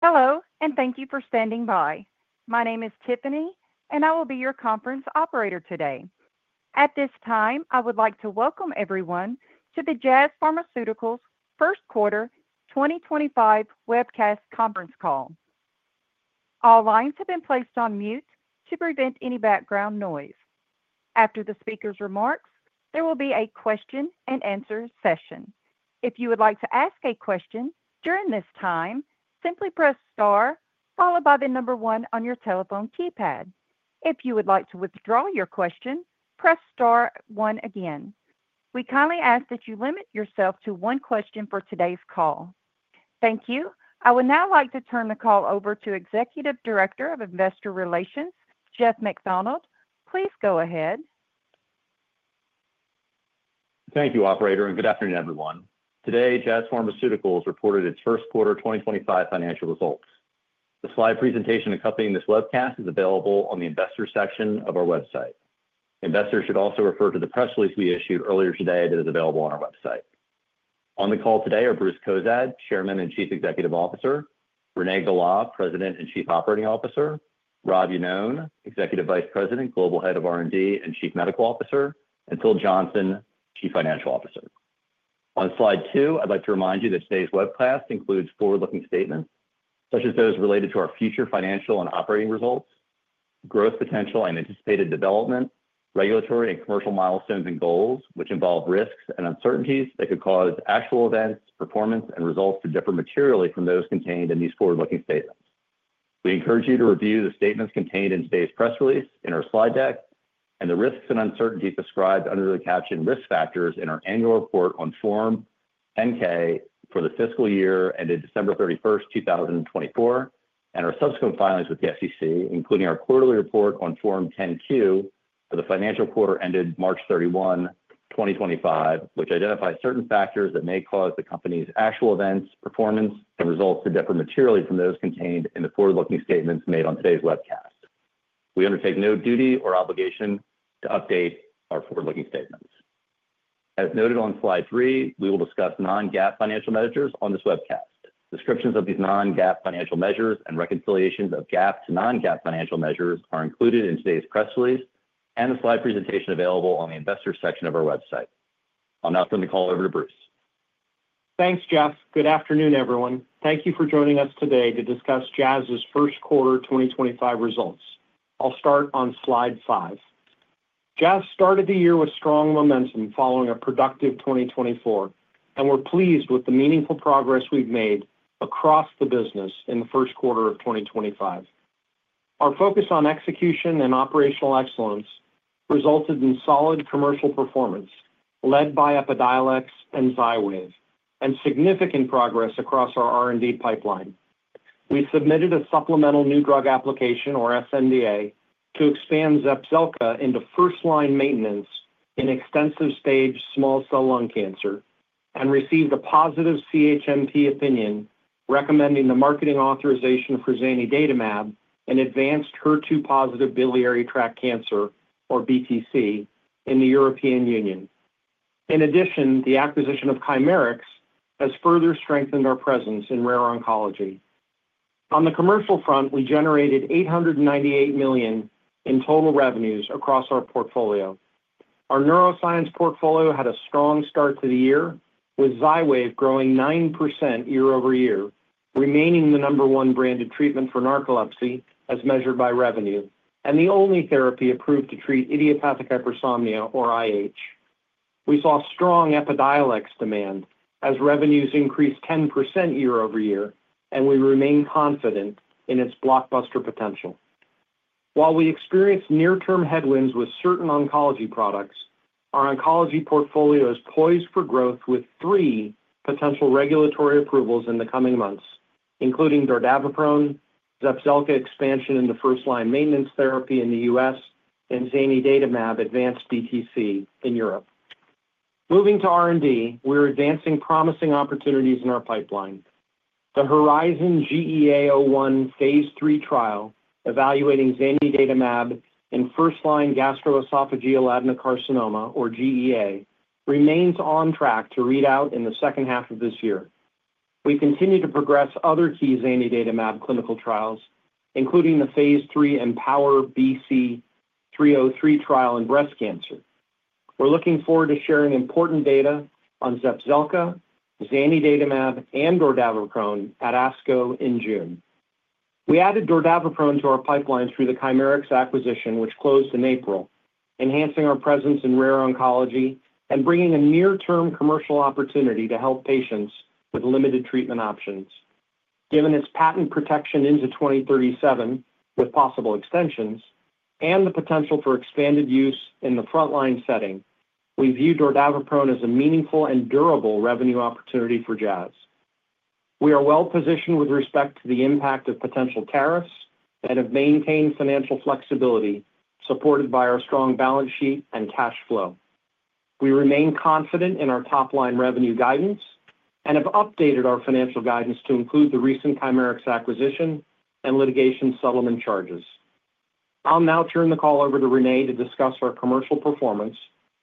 Hello, and thank you for standing by. My name is Tiffany, and I will be your conference operator today. At this time, I would like to welcome everyone to the Jazz Pharmaceuticals first quarter 2025 webcast conference call. All lines have been placed on mute to prevent any background noise. After the speaker's remarks, there will be a question-and-answer session. If you would like to ask a question during this time, simply press star, followed by the number one on your telephone keypad. If you would like to withdraw your question, press star one again. We kindly ask that you limit yourself to one question for today's call. Thank you. I would now like to turn the call over to Executive Director of Investor Relations, Jeff Macdonald. Please go ahead. Thank you, Operator, and good afternoon, everyone. Today, Jazz Pharmaceuticals reported its 1st quarter 2025 financial results. The slide presentation accompanying this webcast is available on the Investor section of our website. Investors should also refer to the press release we issued earlier today that is available on our website. On the call today are Bruce Cozadd, Chairman and Chief Executive Officer; Renee Gala, President and Chief Operating Officer; Rob Iannone, Executive Vice President, Global Head of R&D and Chief Medical Officer; and Phil Johnson, Chief Financial Officer. On slide two, I'd like to remind you that today's webcast includes forward-looking statements such as those related to our future financial and operating results, growth potential and anticipated development, regulatory and commercial milestones and goals, which involve risks and uncertainties that could cause actual events, performance, and results to differ materially from those contained in these forward-looking statements. We encourage you to review the statements contained in today's press release, in our slide deck, and the risks and uncertainties described under the captioned risk factors in our annual report on Form 10-K for the fiscal year ended December 31st, 2024, and our subsequent filings with the SEC, including our quarterly report on Form 10-Q for the financial quarter ended March 31, 2025, which identifies certain factors that may cause the company's actual events, performance, and results to differ materially from those contained in the forward-looking statements made on today's webcast. We undertake no duty or obligation to update our forward-looking statements. As noted on slide three, we will discuss non-GAAP financial measures on this webcast. Descriptions of these non-GAAP financial measures and reconciliations of GAAP to non-GAAP financial measures are included in today's press release and the slide presentation available on the Investor section of our website. I'll now turn the call over to Bruce. Thanks, Jeff. Good afternoon, everyone. Thank you for joining us today to discuss Jazz's first quarter 2025 results. I'll start on slide five. Jazz started the year with strong momentum following a productive 2024, and we're pleased with the meaningful progress we've made across the business in the first quarter of 2025. Our focus on execution and operational excellence resulted in solid commercial performance led by Epidiolex and Xywav, and significant progress across our R&D pipeline. We submitted a supplemental new drug application, or sNDA, to expand Zepzelca into first-line maintenance in extensive stage small cell lung cancer and received a positive CHMP opinion recommending the marketing authorization for zanidatamab in advanced HER2-positive biliary tract cancer, or BTC, in the European Union. In addition, the acquisition of Chimerix has further strengthened our presence in rare oncology. On the commercial front, we generated $898 million in total revenues across our portfolio. Our neuroscience portfolio had a strong start to the year, with Xywav growing 9% year-over-year, remaining the number one branded treatment for narcolepsy as measured by revenue, and the only therapy approved to treat idiopathic hypersomnia, or IH. We saw strong Epidiolex demand as revenues increased 10% year-over-year, and we remain confident in its blockbuster potential. While we experience near-term headwinds with certain oncology products, our oncology portfolio is poised for growth with three potential regulatory approvals in the coming months, including dordaviprone, Zepzelca expansion into first-line maintenance therapy in the U.S., and zanidatamab advanced BTC in Europe. Moving to R&D, we're advancing promising opportunities in our pipeline. The HERIZON GEA-01 phase III trial evaluating zanidatamab in first-line gastroesophageal adenocarcinoma, or GEA, remains on track to read out in the second half of this year. We continue to progress other key zanidatamab clinical trials, including the phase III Empower BC-303 trial in breast cancer. We are looking forward to sharing important data on Zepzelca, zanidatamab, and dordaviprone at ASCO in June. We added dordaviprone to our pipeline through the Chimerix acquisition, which closed in April, enhancing our presence in rare oncology and bringing a near-term commercial opportunity to help patients with limited treatment options. Given its patent protection into 2037, with possible extensions and the potential for expanded use in the front-line setting, we view dordaviprone as a meaningful and durable revenue opportunity for Jazz. We are well-positioned with respect to the impact of potential tariffs and have maintained financial flexibility supported by our strong balance sheet and cash flow. We remain confident in our top-line revenue guidance and have updated our financial guidance to include the recent Chimerix acquisition and litigation settlement charges. I'll now turn the call over to Renee to discuss our commercial performance,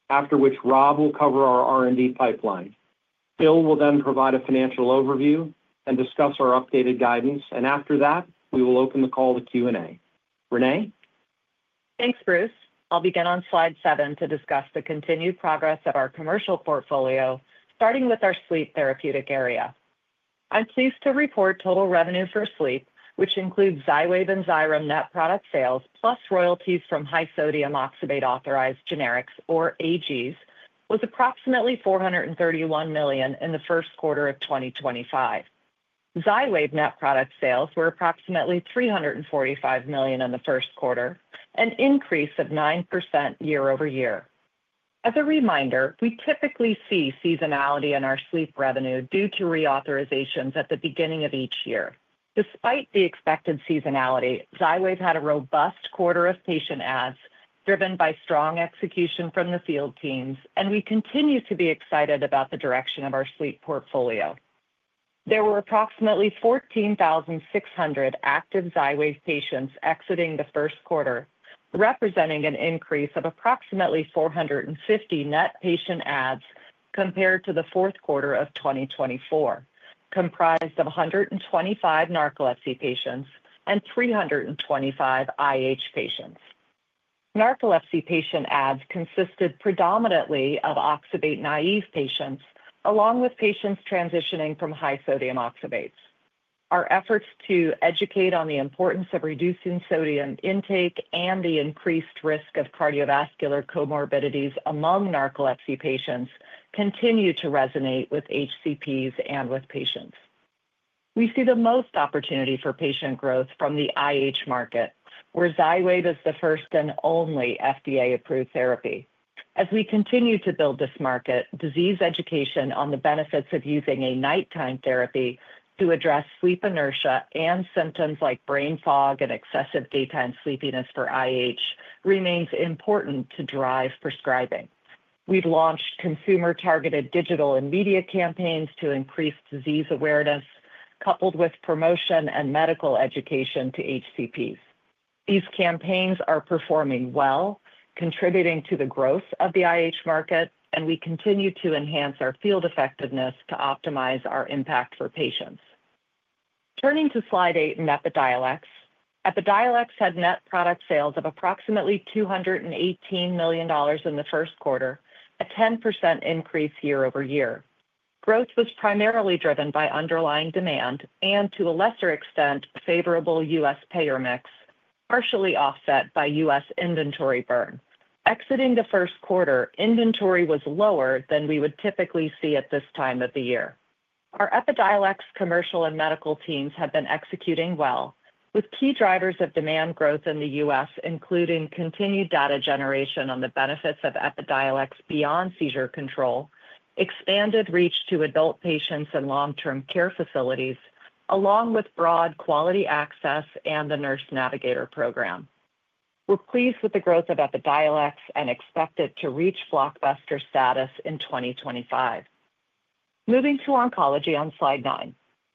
after which Rob will cover our R&D pipeline. Phil will then provide a financial overview and discuss our updated guidance, and after that, we will open the call to Q&A. Renee? Thanks, Bruce. I'll begin on slide seven to discuss the continued progress of our commercial portfolio, starting with our sleep therapeutic area. I'm pleased to report total revenue for sleep, which includes Xywav and Xyrem net product sales plus royalties from high-sodium oxybate-authorized generics, or AGs, was approximately $431 million in the 1st quarter of 2025. Xywav net product sales were approximately $345 million in the 1st quarter, an increase of 9% year-over-year. As a reminder, we typically see seasonality in our sleep revenue due to reauthorizations at the beginning of each year. Despite the expected seasonality, Xywav had a robust quarter of patient adds driven by strong execution from the field teams, and we continue to be excited about the direction of our sleep portfolio. There were approximately 14,600 active Xywave patients exiting the 1st quarter, representing an increase of approximately 450 net patient adds compared to the fourth quarter of 2024, comprised of 125 narcolepsy patients and 325 IH patients. Narcolepsy patient adds consisted predominantly of oxybate naive patients, along with patients transitioning from high-sodium oxybates. Our efforts to educate on the importance of reducing sodium intake and the increased risk of cardiovascular comorbidities among narcolepsy patients continue to resonate with HCPs and with patients. We see the most opportunity for patient growth from the IH market, where Xywave is the 1st and only FDA-approved therapy. As we continue to build this market, disease education on the benefits of using a nighttime therapy to address sleep inertia and symptoms like brain fog and excessive daytime sleepiness for IH remains important to drive prescribing. We've launched consumer-targeted digital and media campaigns to increase disease awareness, coupled with promotion and medical education to HCPs. These campaigns are performing well, contributing to the growth of the IH market, and we continue to enhance our field effectiveness to optimize our impact for patients. Turning to slide eight in Epidiolex, Epidiolex had net product sales of approximately $218 million in the 1st quarter, a 10% increase year-over-year. Growth was primarily driven by underlying demand and, to a lesser extent, favorable U.S. payer mix, partially offset by U.S. inventory burn. Exiting the 1st quarter, inventory was lower than we would typically see at this time of the year. Our Epidiolex commercial and medical teams have been executing well, with key drivers of demand growth in the U.S., including continued data generation on the benefits of Epidiolex beyond seizure control, expanded reach to adult patients and long-term care facilities, along with broad quality access and the Nurse Navigator program. We're pleased with the growth of Epidiolex and expect it to reach blockbuster status in 2025. Moving to oncology on slide nine,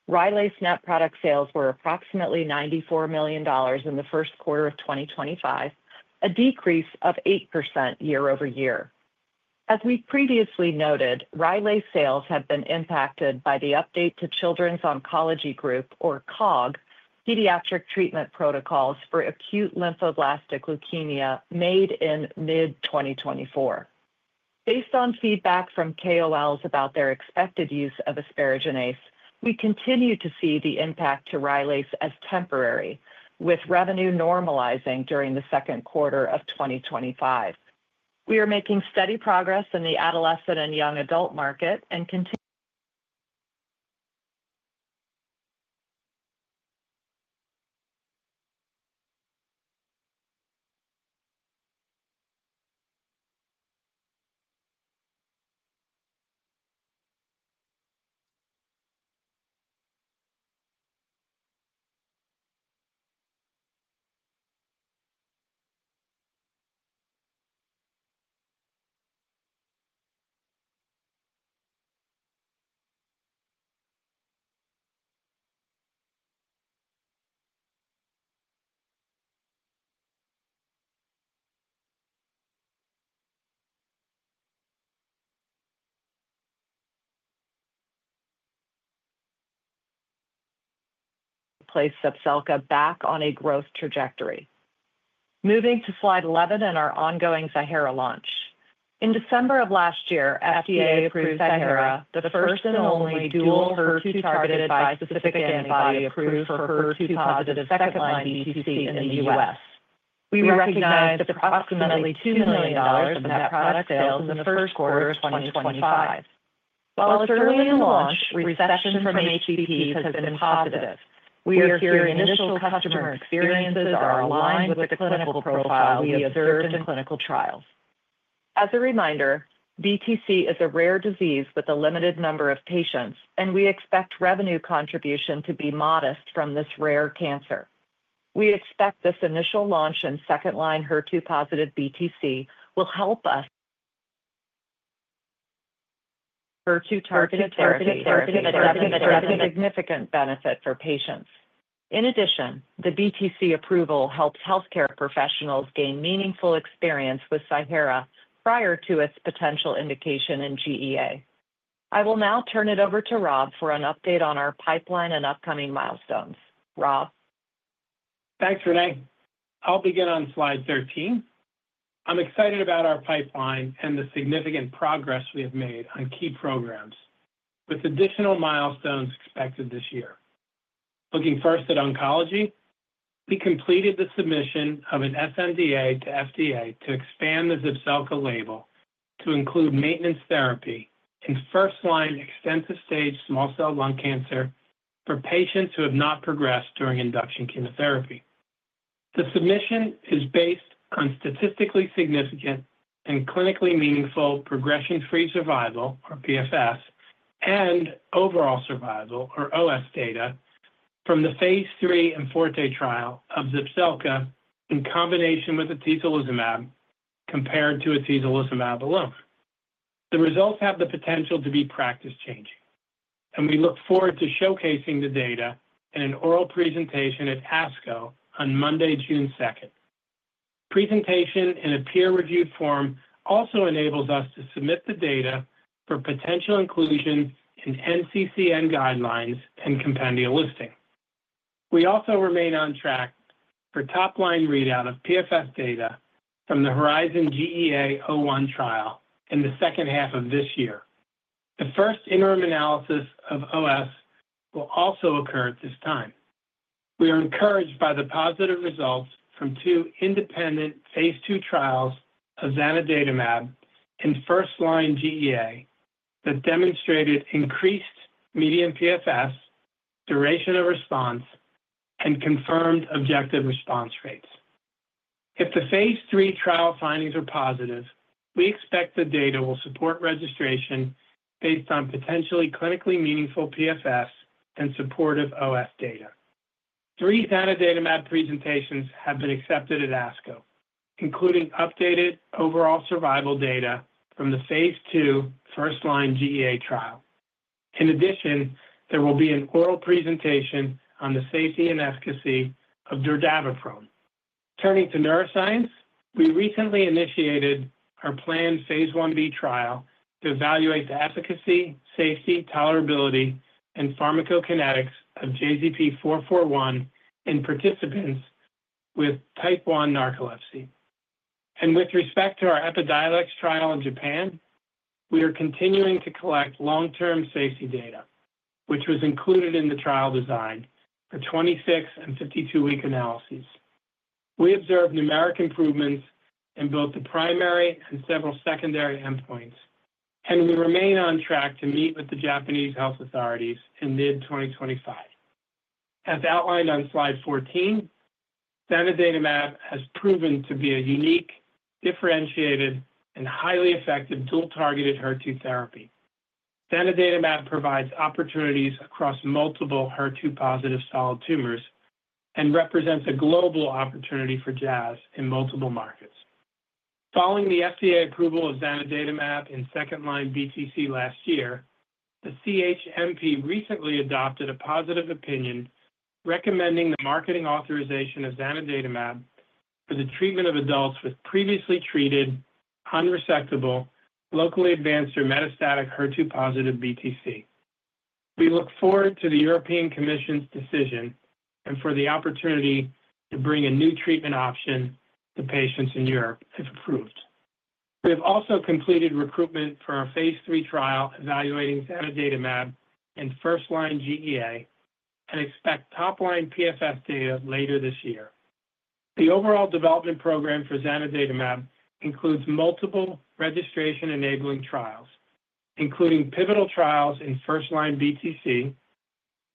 Rylaze net product sales were approximately $94 million in the 1st quarter of 2025, a decrease of 8% year-over-year. As we previously noted, Rylaze sales have been impacted by the update to Children's Oncology Group, or COG, pediatric treatment protocols for acute lymphoblastic leukemia made in mid-2024. Based on feedback from KOLs about their expected use of asparaginase, we continue to see the impact to Rylaze as temporary, with revenue normalizing during the second quarter of 2025. We are making steady progress in the adolescent and young adult market and continue to place Zepzelca back on a growth trajectory. Moving to slide 11 in our ongoing zanidatamab launch. In December of last year, FDA approved zanidatamab, the first and only dual HER2-targeted bispecific antibody approved for HER2-positive second-line BTC in the U.S. We recognized approximately $2 million in net product sales in the first quarter of 2025. While our early launch reception from HCPs has been positive, we are hearing initial customer experiences are aligned with the clinical profile we observed in clinical trials. As a reminder, BTC is a rare disease with a limited number of patients, and we expect revenue contribution to be modest from this rare cancer. We expect this initial launch in second-line HER2-positive BTC will help us bring significant benefit for patients. In addition, the BTC approval helps healthcare professionals gain meaningful experience with zanidatamab prior to its potential indication in GEA. I will now turn it over to Rob for an update on our pipeline and upcoming milestones. Rob? Thanks, Renee. I'll begin on slide 13. I'm excited about our pipeline and the significant progress we have made on key programs, with additional milestones expected this year. Looking first at oncology, we completed the submission of an sNDA to FDA to expand the Zepzelca label to include maintenance therapy in first-line extensive stage small cell lung cancer for patients who have not progressed during induction chemotherapy. The submission is based on statistically significant and clinically meaningful progression-free survival, or PFS, and overall survival, or OS, data from the phase III and IV day trial of Zepzelca in combination with atezolizumab compared to atezolizumab alone. The results have the potential to be practice-changing, and we look forward to showcasing the data in an oral presentation at ASCO on Monday, June 2. Presentation in a peer-reviewed form also enables us to submit the data for potential inclusion in NCCN guidelines and compendia listing. We also remain on track for top-line readout of PFS data from the HERIZON GEA-01 trial in the second half of this year. The first interim analysis of OS will also occur at this time. We are encouraged by the positive results from two independent phase II trials of zanidatamab in first-line GEA that demonstrated increased median PFS, duration of response, and confirmed objective response rates. If the phase III trial findings are positive, we expect the data will support registration based on potentially clinically meaningful PFS and supportive OS data. Three zanidatamab presentations have been accepted at ASCO, including updated overall survival data from the phase II first-line GEA trial. In addition, there will be an oral presentation on the safety and efficacy of dordaviprone. Turning to neuroscience, we recently initiated our planned phase IB trial to evaluate the efficacy, safety, tolerability, and pharmacokinetics of JZP-441 in participants with type 1 narcolepsy. With respect to our Epidiolex trial in Japan, we are continuing to collect long-term safety data, which was included in the trial design for 26 and 52-week analyses. We observed numeric improvements in both the primary and several secondary endpoints, and we remain on track to meet with the Japanese health authorities in mid-2025. As outlined on slide 14, zanidatamab has proven to be a unique, differentiated, and highly effective dual-targeted HER2 therapy. zanidatamab provides opportunities across multiple HER2-positive solid tumors and represents a global opportunity for Jazz in multiple markets. Following the FDA approval of zanidatamab in second-line BTC last year, the CHMP recently adopted a positive opinion recommending the marketing authorization of zanidatamab for the treatment of adults with previously treated, unresectable, locally advanced, or metastatic HER2-positive BTC. We look forward to the European Commission's decision and for the opportunity to bring a new treatment option to patients in Europe if approved. We have also completed recruitment for our phase III trial evaluating zanidatamab in first-line GEA and expect top-line PFS data later this year. The overall development program for zanidatamab includes multiple registration-enabling trials, including pivotal trials in first-line BTC,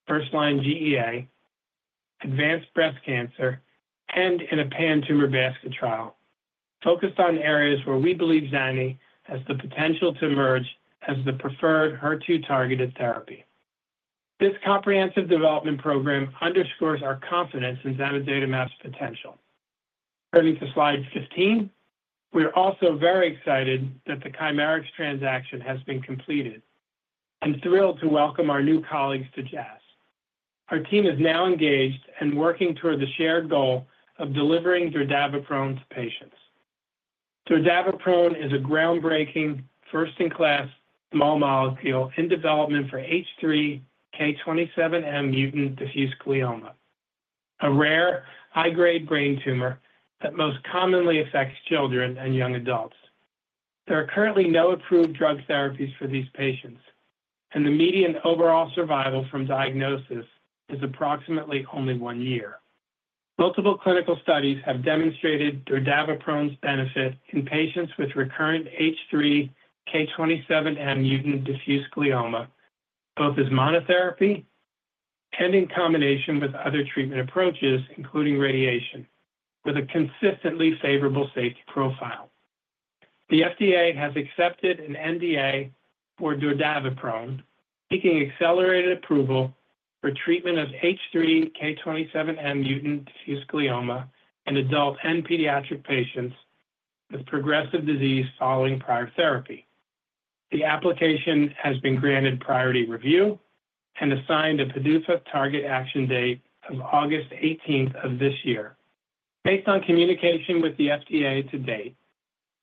first-line GEA, advanced breast cancer, and in a pan-tumor basket trial, focused on areas where we believe Zani has the potential to emerge as the preferred HER2-targeted therapy. This comprehensive development program underscores our confidence in zanidatamab's potential. Turning to slide 15, we are also very excited that the Chimerix transaction has been completed and thrilled to welcome our new colleagues to Jazz. Our team is now engaged and working toward the shared goal of delivering dordaviprone to patients. dordaviprone is a groundbreaking, first-in-class small molecule in development for H3 K27M-mutant diffuse midline glioma, a rare high-grade brain tumor that most commonly affects children and young adults. There are currently no approved drug therapies for these patients, and the median overall survival from diagnosis is approximately only one year. Multiple clinical studies have demonstrated dordaviprone's benefit in patients with recurrent H3 K27M-mutant diffuse midline glioma, both as monotherapy and in combination with other treatment approaches, including radiation, with a consistently favorable safety profile. The FDA has accepted an NDA for dordaviprone, seeking accelerated approval for treatment of H3 K27M-mutant diffuse midline glioma in adult and pediatric patients with progressive disease following prior therapy. The application has been granted priority review and assigned a PDUFA target action date of August 18 of this year. Based on communication with the FDA to date,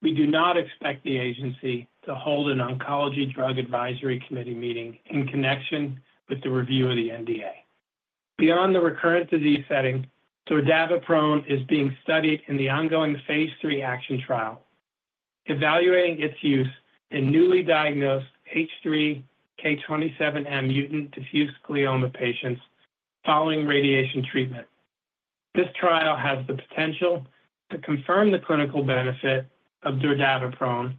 we do not expect the agency to hold an oncology drug advisory committee meeting in connection with the review of the NDA. Beyond the recurrent disease setting, dordaviprone is being studied in the ongoing phase III ACTION trial, evaluating its use in newly diagnosed H3 K27M-mutant diffuse midline glioma patients following radiation treatment. This trial has the potential to confirm the clinical benefit of dordaviprone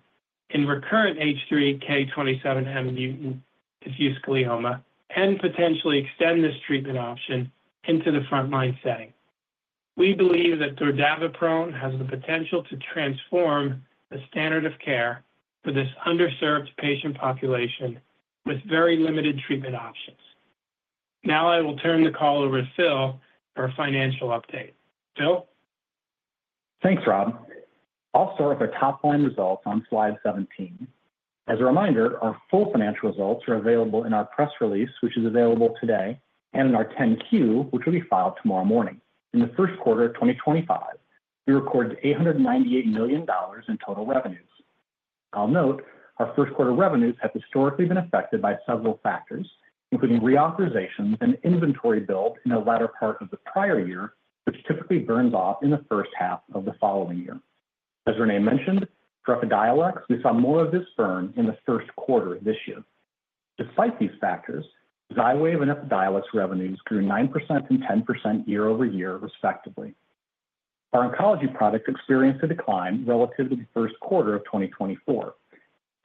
in recurrent H3 K27M-mutant diffuse midline glioma and potentially extend this treatment option into the front-line setting. We believe that dordaviprone has the potential to transform the standard of care for this underserved patient population with very limited treatment options. Now I will turn the call over to Phil for a financial update. Phil? Thanks, Rob. I'll start with our top-line results on slide 17. As a reminder, our full financial results are available in our press release, which is available today, and in our 10Q, which will be filed tomorrow morning. In the 1st quarter of 2025, we recorded $898 million in total revenues. I'll note our 1st quarter revenues have historically been affected by several factors, including reauthorizations and inventory build in the latter part of the prior year, which typically burns off in the 1st half of the following year. As Renee mentioned, for Epidiolex, we saw more of this burn in the 1st quarter of this year. Despite these factors, Xywave and Epidiolex revenues grew 9% and 10% year-over-year, respectively. Our oncology product experienced a decline relative to the 1st quarter of 2024.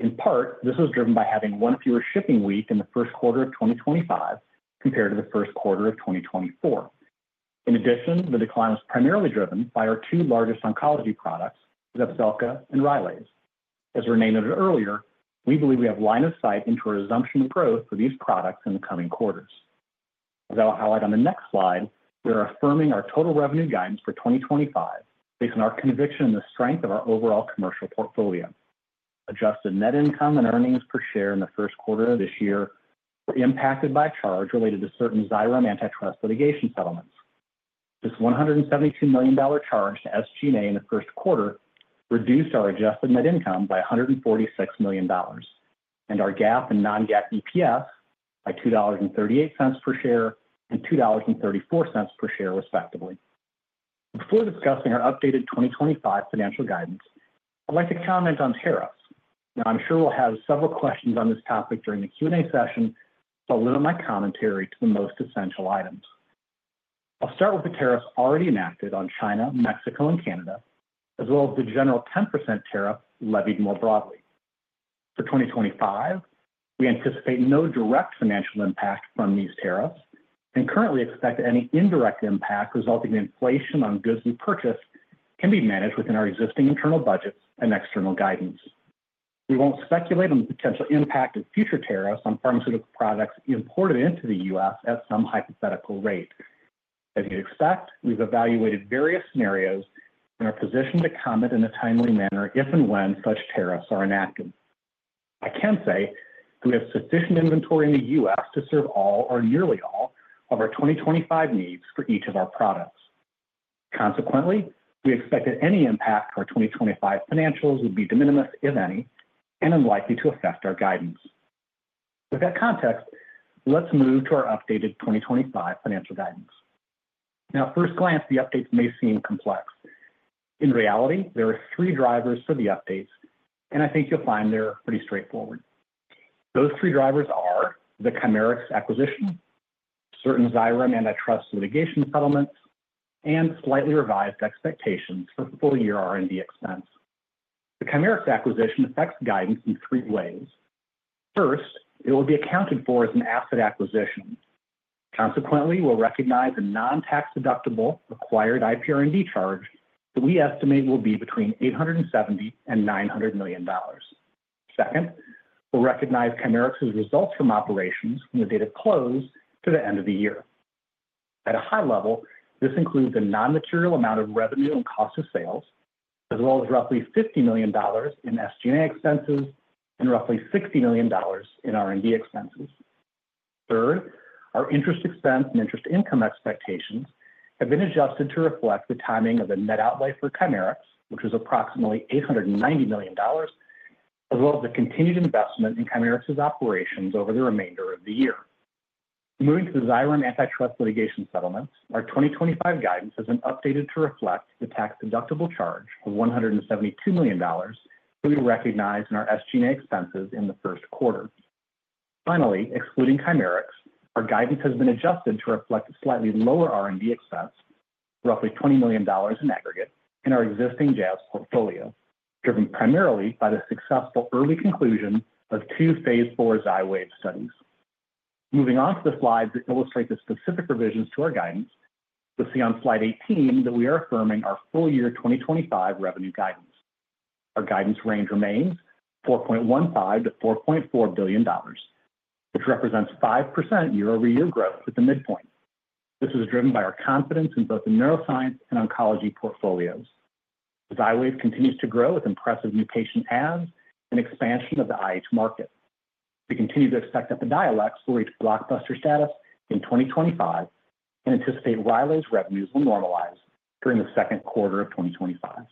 In part, this was driven by having one fewer shipping week in the 1st quarter of 2025 compared to the 1st quarter of 2024. In addition, the decline was primarily driven by our two largest oncology products, Zepzelca and Rylaze. As Renee noted earlier, we believe we have line of sight into our assumption of growth for these products in the coming quarters. As I'll highlight on the next slide, we are affirming our total revenue guidance for 2025 based on our conviction in the strength of our overall commercial portfolio. Adjusted net income and earnings per share in the 1st quarter of this year were impacted by a charge related to certain Xyrem antitrust litigation settlements. This $172 million charge to SG&A in the 1st quarter reduced our adjusted net income by $146 million and our GAAP and non-GAAP EPS by $2.38 per share and $2.34 per share, respectively. Before discussing our updated 2025 financial guidance, I'd like to comment on tariffs. Now, I'm sure we'll have several questions on this topic during the Q&A session, so I'll limit my commentary to the most essential items. I'll start with the tariffs already enacted on China, Mexico, and Canada, as well as the general 10% tariff levied more broadly. For 2025, we anticipate no direct financial impact from these tariffs and currently expect that any indirect impact resulting in inflation on goods we purchase can be managed within our existing internal budgets and external guidance. We won't speculate on the potential impact of future tariffs on pharmaceutical products imported into the U.S. at some hypothetical rate. As you'd expect, we've evaluated various scenarios and are positioned to comment in a timely manner if and when such tariffs are enacted. I can say that we have sufficient inventory in the U.S. to serve all or nearly all of our 2025 needs for each of our products. Consequently, we expect that any impact on our 2025 financials would be de minimis, if any, and unlikely to affect our guidance. With that context, let's move to our updated 2025 financial guidance. Now, at first glance, the updates may seem complex. In reality, there are three drivers for the updates, and I think you'll find they're pretty straightforward. Those three drivers are the Chimerix acquisition, certain Xyrem antitrust litigation settlements, and slightly revised expectations for full-year R&D expense. The Chimerix acquisition affects guidance in three ways. First, it will be accounted for as an asset acquisition. Consequently, we'll recognize a non-tax-deductible acquired IPR&D charge that we estimate will be between $870 million-$900 million. Second, we'll recognize Chimerix's results from operations from the date of close to the end of the year. At a high level, this includes a non-material amount of revenue and cost of sales, as well as roughly $50 million in SG&A expenses and roughly $60 million in R&D expenses. Third, our interest expense and interest income expectations have been adjusted to reflect the timing of the net outlay for Chimerix, which was approximately $890 million, as well as the continued investment in Chimerix's operations over the remainder of the year. Moving to the Xyrem antitrust litigation settlements, our 2025 guidance has been updated to reflect the tax-deductible charge of $172 million that we recognized in our SG&A expenses in the 1st quarter. Finally, excluding Chimerix, our guidance has been adjusted to reflect a slightly lower R&D expense, roughly $20 million in aggregate, in our existing Jazz portfolio, driven primarily by the successful early conclusion of two phase IV Xywav studies. Moving on to the slides that illustrate the specific revisions to our guidance, you'll see on slide 18 that we are affirming our full-year 2025 revenue guidance. Our guidance range remains $4.15 billion-$4.4 billion, which represents 5% year-over-year growth at the midpoint. This is driven by our confidence in both the neuroscience and oncology portfolios. Xywav continues to grow with impressive new patient adds and expansion of the IH market. We continue to expect Epidiolex will reach blockbuster status in 2025 and anticipate Rylaze revenues will normalize during the second quarter of 2025.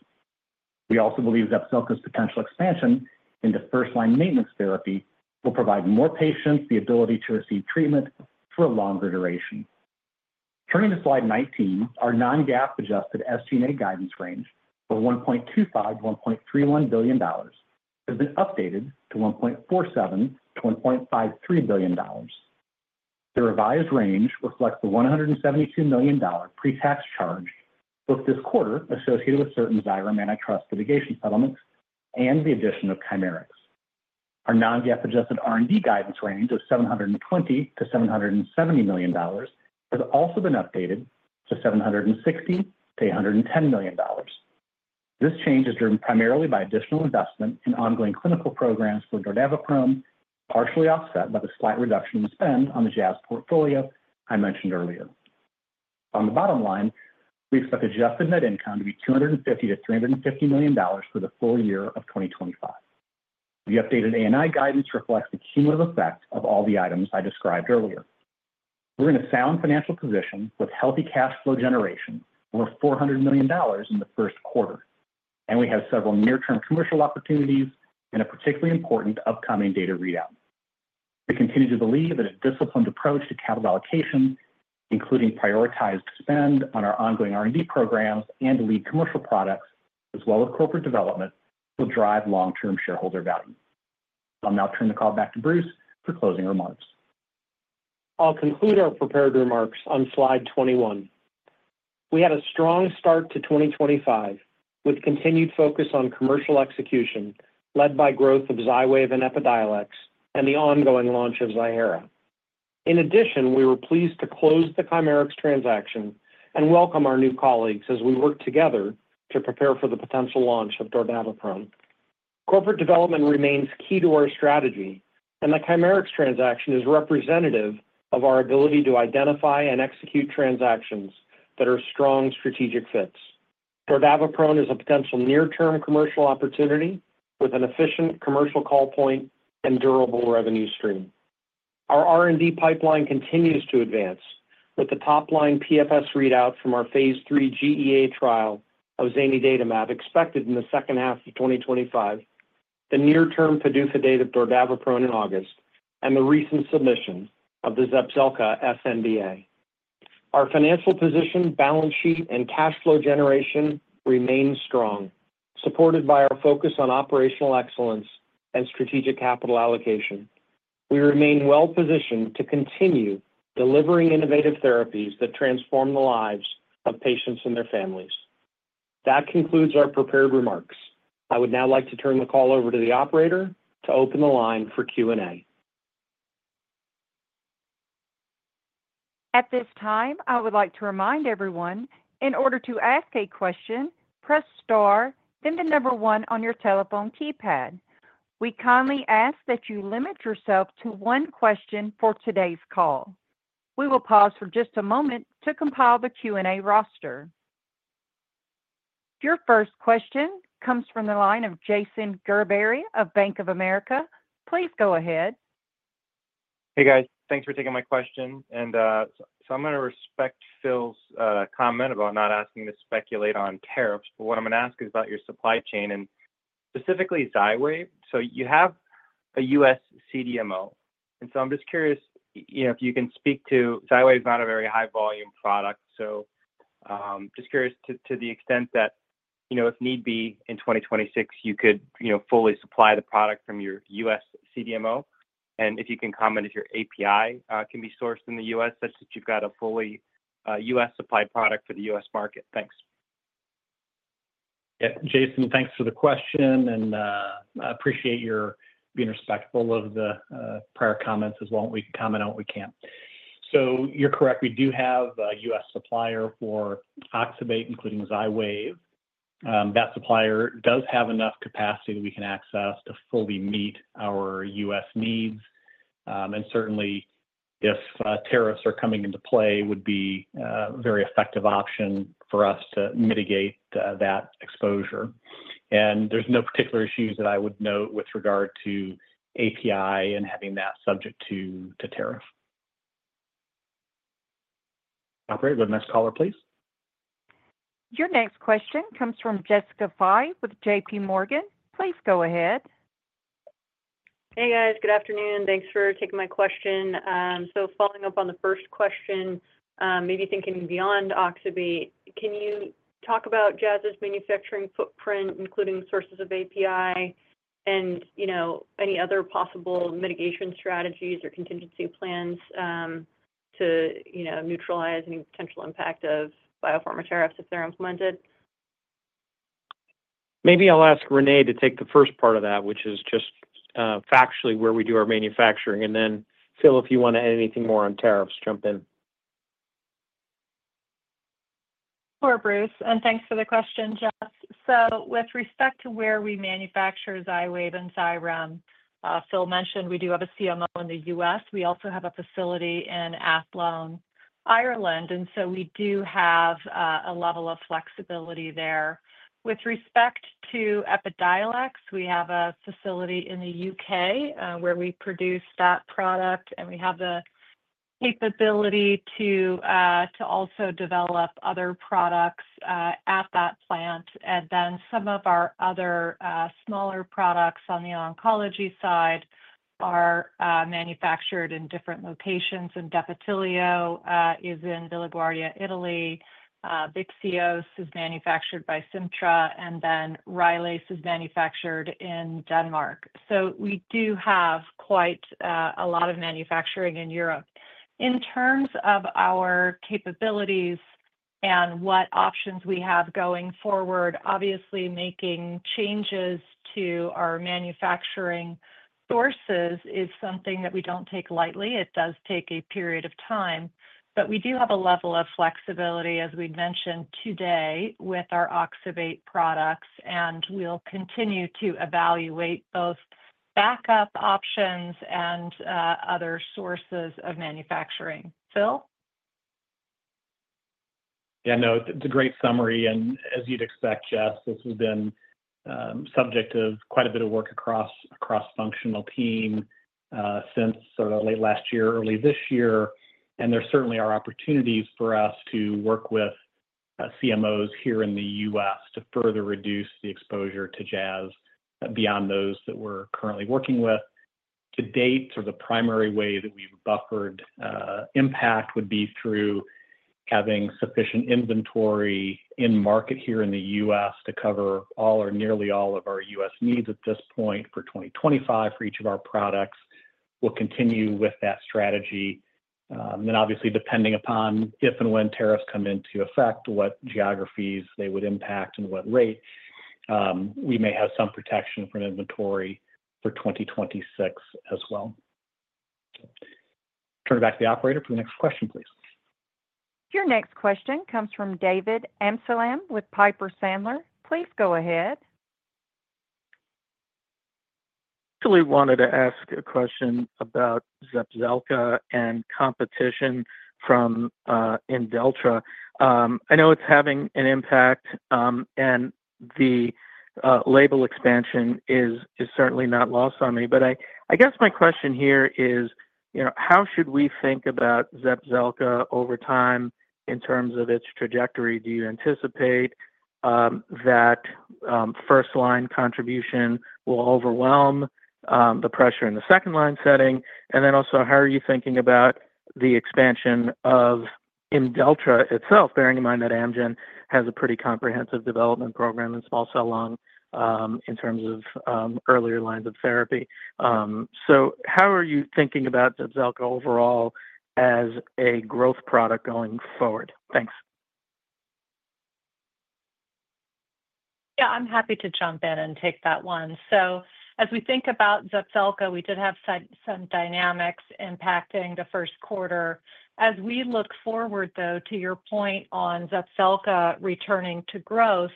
We also believe Zepzelca's potential expansion into first-line maintenance therapy will provide more patients the ability to receive treatment for a longer duration. Turning to slide 19, our non-GAAP adjusted SG&A guidance range of $1.25 billion-$1.31 billion has been updated to $1.47 billion-$1.53 billion. The revised range reflects the $172 million pre-tax charge booked this quarter associated with certain Xyrem antitrust litigation settlements and the addition of Chimerix. Our non-GAAP adjusted R&D guidance range of $720-$770 million has also been updated to $760-$1,100 million. This change is driven primarily by additional investment in ongoing clinical programs for dordaviprone, partially offset by the slight reduction in spend on the Jazz portfolio I mentioned earlier. On the bottom line, we expect adjusted net income to be $250-$350 million for the full year of 2025. The updated ANI guidance reflects the cumulative effect of all the items I described earlier. We're in a sound financial position with healthy cash flow generation over $400 million in the 1st quarter, and we have several near-term commercial opportunities and a particularly important upcoming data readout. We continue to believe that a disciplined approach to capital allocation, including prioritized spend on our ongoing R&D programs and lead commercial products, as well as corporate development, will drive long-term shareholder value. I'll now turn the call back to Bruce for closing remarks. I'll conclude our prepared remarks on slide 21. We had a strong start to 2025 with continued focus on commercial execution led by growth of Xywav and Epidiolex and the ongoing launch of Zepzelca. In addition, we were pleased to close the Chimerix transaction and welcome our new colleagues as we work together to prepare for the potential launch of dordaviprone. Corporate development remains key to our strategy, and the Chimerix transaction is representative of our ability to identify and execute transactions that are strong strategic fits. dordaviprone is a potential near-term commercial opportunity with an efficient commercial call point and durable revenue stream. Our R&D pipeline continues to advance with the top-line PFS readout from our phase III GEA trial of zanidatamab expected in the second half of 2025, the near-term PDUFA date of dordaviprone in August, and the recent submission of the Zepzelca sNDA. Our financial position, balance sheet, and cash flow generation remain strong, supported by our focus on operational excellence and strategic capital allocation. We remain well-positioned to continue delivering innovative therapies that transform the lives of patients and their families. That concludes our prepared remarks. I would now like to turn the call over to the operator to open the line for Q&A. At this time, I would like to remind everyone, in order to ask a question, press star, then the number one on your telephone keypad. We kindly ask that you limit yourself to one question for today's call. We will pause for just a moment to compile the Q&A roster. Your first question comes from the line of Jason Gerberry of Bank of America. Please go ahead. Hey, guys. Thanks for taking my question. I'm going to respect Phil's comment about not asking to speculate on tariffs, but what I'm going to ask is about your supply chain and specifically Xywave. You have a U.S. CDMO. I'm just curious if you can speak to Xywave is not a very high-volume product. Just curious to the extent that if need be, in 2026, you could fully supply the product from your U.S. CDMO. If you can comment if your API can be sourced in the U.S., such that you've got a fully U.S. supplied product for the U.S. market. Thanks. Yeah. Jason, thanks for the question. I appreciate your being respectful of the prior comments as well. We can comment on what we can and cannot. You are correct. We do have a U.S. supplier for Oxybate, including Xywave. That supplier does have enough capacity that we can access to fully meet our U.S. needs. Certainly, if tariffs are coming into play, it would be a very effective option for us to mitigate that exposure. There are no particular issues that I would note with regard to API and having that subject to tariff. All right. Go to the next caller, please. Your next question comes from Jessica Fye with JPMorgan. Please go ahead. Hey, guys. Good afternoon. Thanks for taking my question. Following up on the first question, maybe thinking beyond Oxybate, can you talk about Jazz's manufacturing footprint, including sources of API and any other possible mitigation strategies or contingency plans to neutralize any potential impact of biopharma tariffs if they're implemented? Maybe I'll ask Renee to take the first part of that, which is just factually where we do our manufacturing. Then Phil, if you want to add anything more on tariffs, jump in. Sure, Bruce. And thanks for the question, Jess. So with respect to where we manufacture Xywav and Xyrem, Phil mentioned we do have a CMO in the U.S. We also have a facility in Athlone, Ireland. And so we do have a level of flexibility there. With respect to Epidiolex, we have a facility in the U.K. where we produce that product. And we have the capability to also develop other products at that plant. And then some of our other smaller products on the oncology side are manufactured in different locations. And Defitelio is in Villa Guardia, Italy. Vyxeos is manufactured by Simtra. And then Rylaze is manufactured in Denmark. So we do have quite a lot of manufacturing in Europe. In terms of our capabilities and what options we have going forward, obviously making changes to our manufacturing sources is something that we do not take lightly. It does take a period of time. We do have a level of flexibility, as we mentioned today, with our Oxybate products. We will continue to evaluate both backup options and other sources of manufacturing. Phil? Yeah. No, it's a great summary. As you'd expect, Jess, this has been subject to quite a bit of work across the functional team since sort of late last year, early this year. There certainly are opportunities for us to work with CMOs here in the U.S. to further reduce the exposure to Jazz beyond those that we're currently working with. To date, the primary way that we've buffered impact would be through having sufficient inventory in market here in the U.S. to cover all or nearly all of our U.S. needs at this point for 2025 for each of our products. We'll continue with that strategy. Obviously, depending upon if and when tariffs come into effect, what geographies they would impact and what rate, we may have some protection for inventory for 2026 as well. Turn it back to the operator for the next question, please. Your next question comes from David Amsalem with Piper Sandler. Please go ahead. Absolutely wanted to ask a question about Zepzelca and competition from In Delta. I know it's having an impact, and the label expansion is certainly not lost on me. I guess my question here is, how should we think about Zepzelca over time in terms of its trajectory? Do you anticipate that first-line contribution will overwhelm the pressure in the second-line setting? Also, how are you thinking about the expansion of In Delta itself, bearing in mind that Amgen has a pretty comprehensive development program in small cell lung in terms of earlier lines of therapy? How are you thinking about Zepzelca overall as a growth product going forward? Thanks. Yeah. I'm happy to jump in and take that one. As we think about Zepzelca, we did have some dynamics impacting the 1st quarter. As we look forward, though, to your point on Zepzelca returning to growth,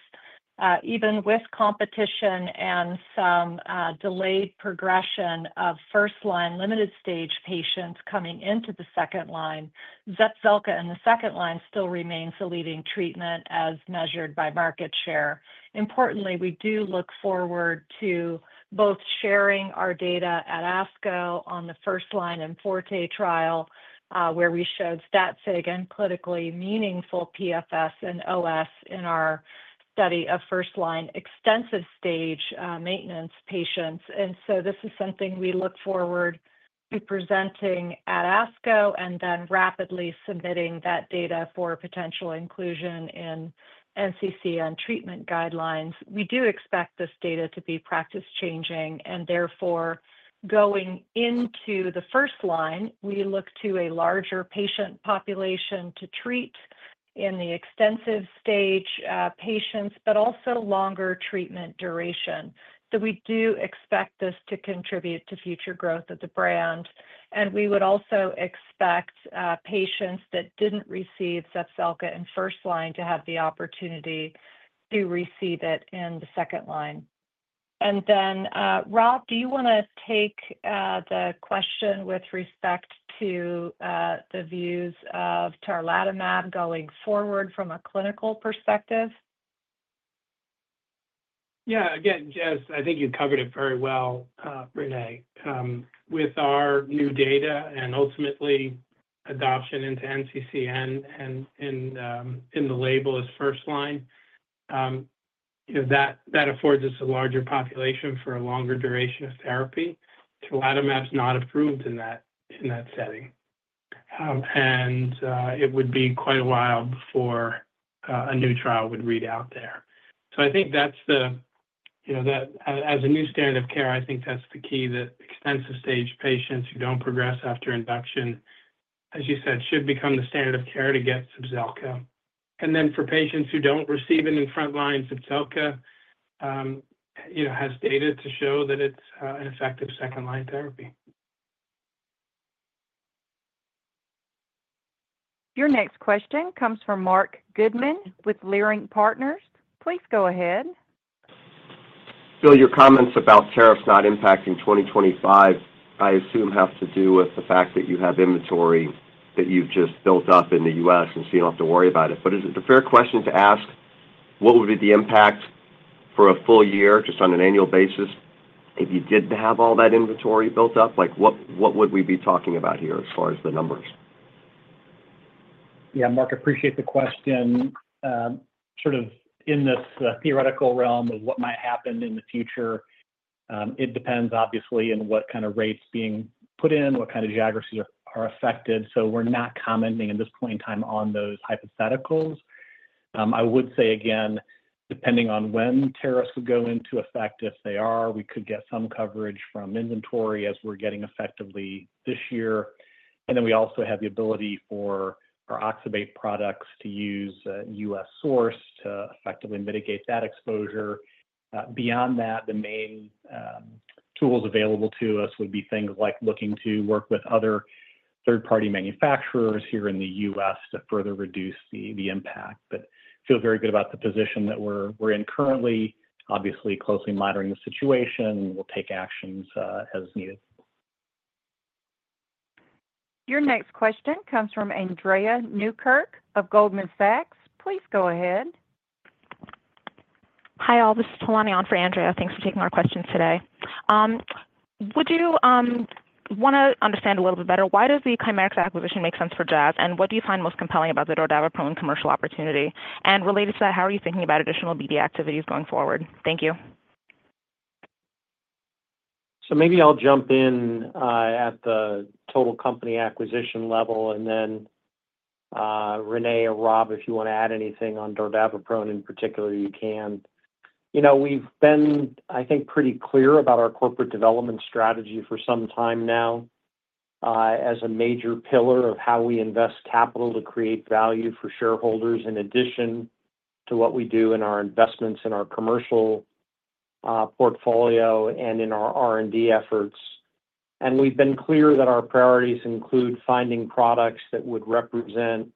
even with competition and some delayed progression of first-line limited-stage patients coming into the second line, Zepzelca in the second line still remains the leading treatment as measured by market share. Importantly, we do look forward to both sharing our data at ASCO on the first-line and Forte trial, where we showed statistically significant and clinically meaningful PFS and OS in our study of first-line extensive-stage maintenance patients. This is something we look forward to presenting at ASCO and then rapidly submitting that data for potential inclusion in NCCN treatment guidelines. We do expect this data to be practice-changing. Therefore, going into the first line, we look to a larger patient population to treat in the extensive-stage patients, but also longer treatment duration. We do expect this to contribute to future growth of the brand. We would also expect patients that did not receive Zepzelca in first line to have the opportunity to receive it in the second line. Rob, do you want to take the question with respect to the views of tarlatamab going forward from a clinical perspective? Yeah. Again, Jess, I think you covered it very well, Renee. With our new data and ultimately adoption into NCCN and in the label as first line, that affords us a larger population for a longer duration of therapy. tarlatamab's not approved in that setting. It would be quite a while before a new trial would read out there. I think that's the, as a new standard of care, I think that's the key that extensive-stage patients who don't progress after induction, as you said, should become the standard of care to get Zepzelca. For patients who don't receive it in front line, Zepzelca has data to show that it's an effective second-line therapy. Your next question comes from Marc Goodman with Leerink Partners. Please go ahead. Phil, your comments about tariffs not impacting 2025, I assume have to do with the fact that you have inventory that you've just built up in the U.S. and so you don't have to worry about it. Is it a fair question to ask what would be the impact for a full year just on an annual basis if you didn't have all that inventory built up? What would we be talking about here as far as the numbers? Yeah. Marc, I appreciate the question. Sort of in this theoretical realm of what might happen in the future, it depends, obviously, on what kind of rates being put in, what kind of geographies are affected. We are not commenting at this point in time on those hypotheticals. I would say, again, depending on when tariffs would go into effect, if they are, we could get some coverage from inventory as we are getting effectively this year. We also have the ability for our Oxybate products to use U.S. source to effectively mitigate that exposure. Beyond that, the main tools available to us would be things like looking to work with other third-party manufacturers here in the U.S. to further reduce the impact. I feel very good about the position that we are in currently, obviously closely monitoring the situation, and we will take actions as needed. Your next question comes from Andrea Flynn of Goldman Sachs. Please go ahead. Hi, all. This is Telani on for Andrea. Thanks for taking our questions today. Would you want to understand a little bit better why does the Chimerix acquisition make sense for Jazz? And what do you find most compelling about the dordaviprone commercial opportunity? And related to that, how are you thinking about additional BD activities going forward? Thank you. Maybe I'll jump in at the total company acquisition level. Then Renee or Rob, if you want to add anything on dordaviprone in particular, you can. We've been, I think, pretty clear about our corporate development strategy for some time now as a major pillar of how we invest capital to create value for shareholders in addition to what we do in our investments in our commercial portfolio and in our R&D efforts. We've been clear that our priorities include finding products that would represent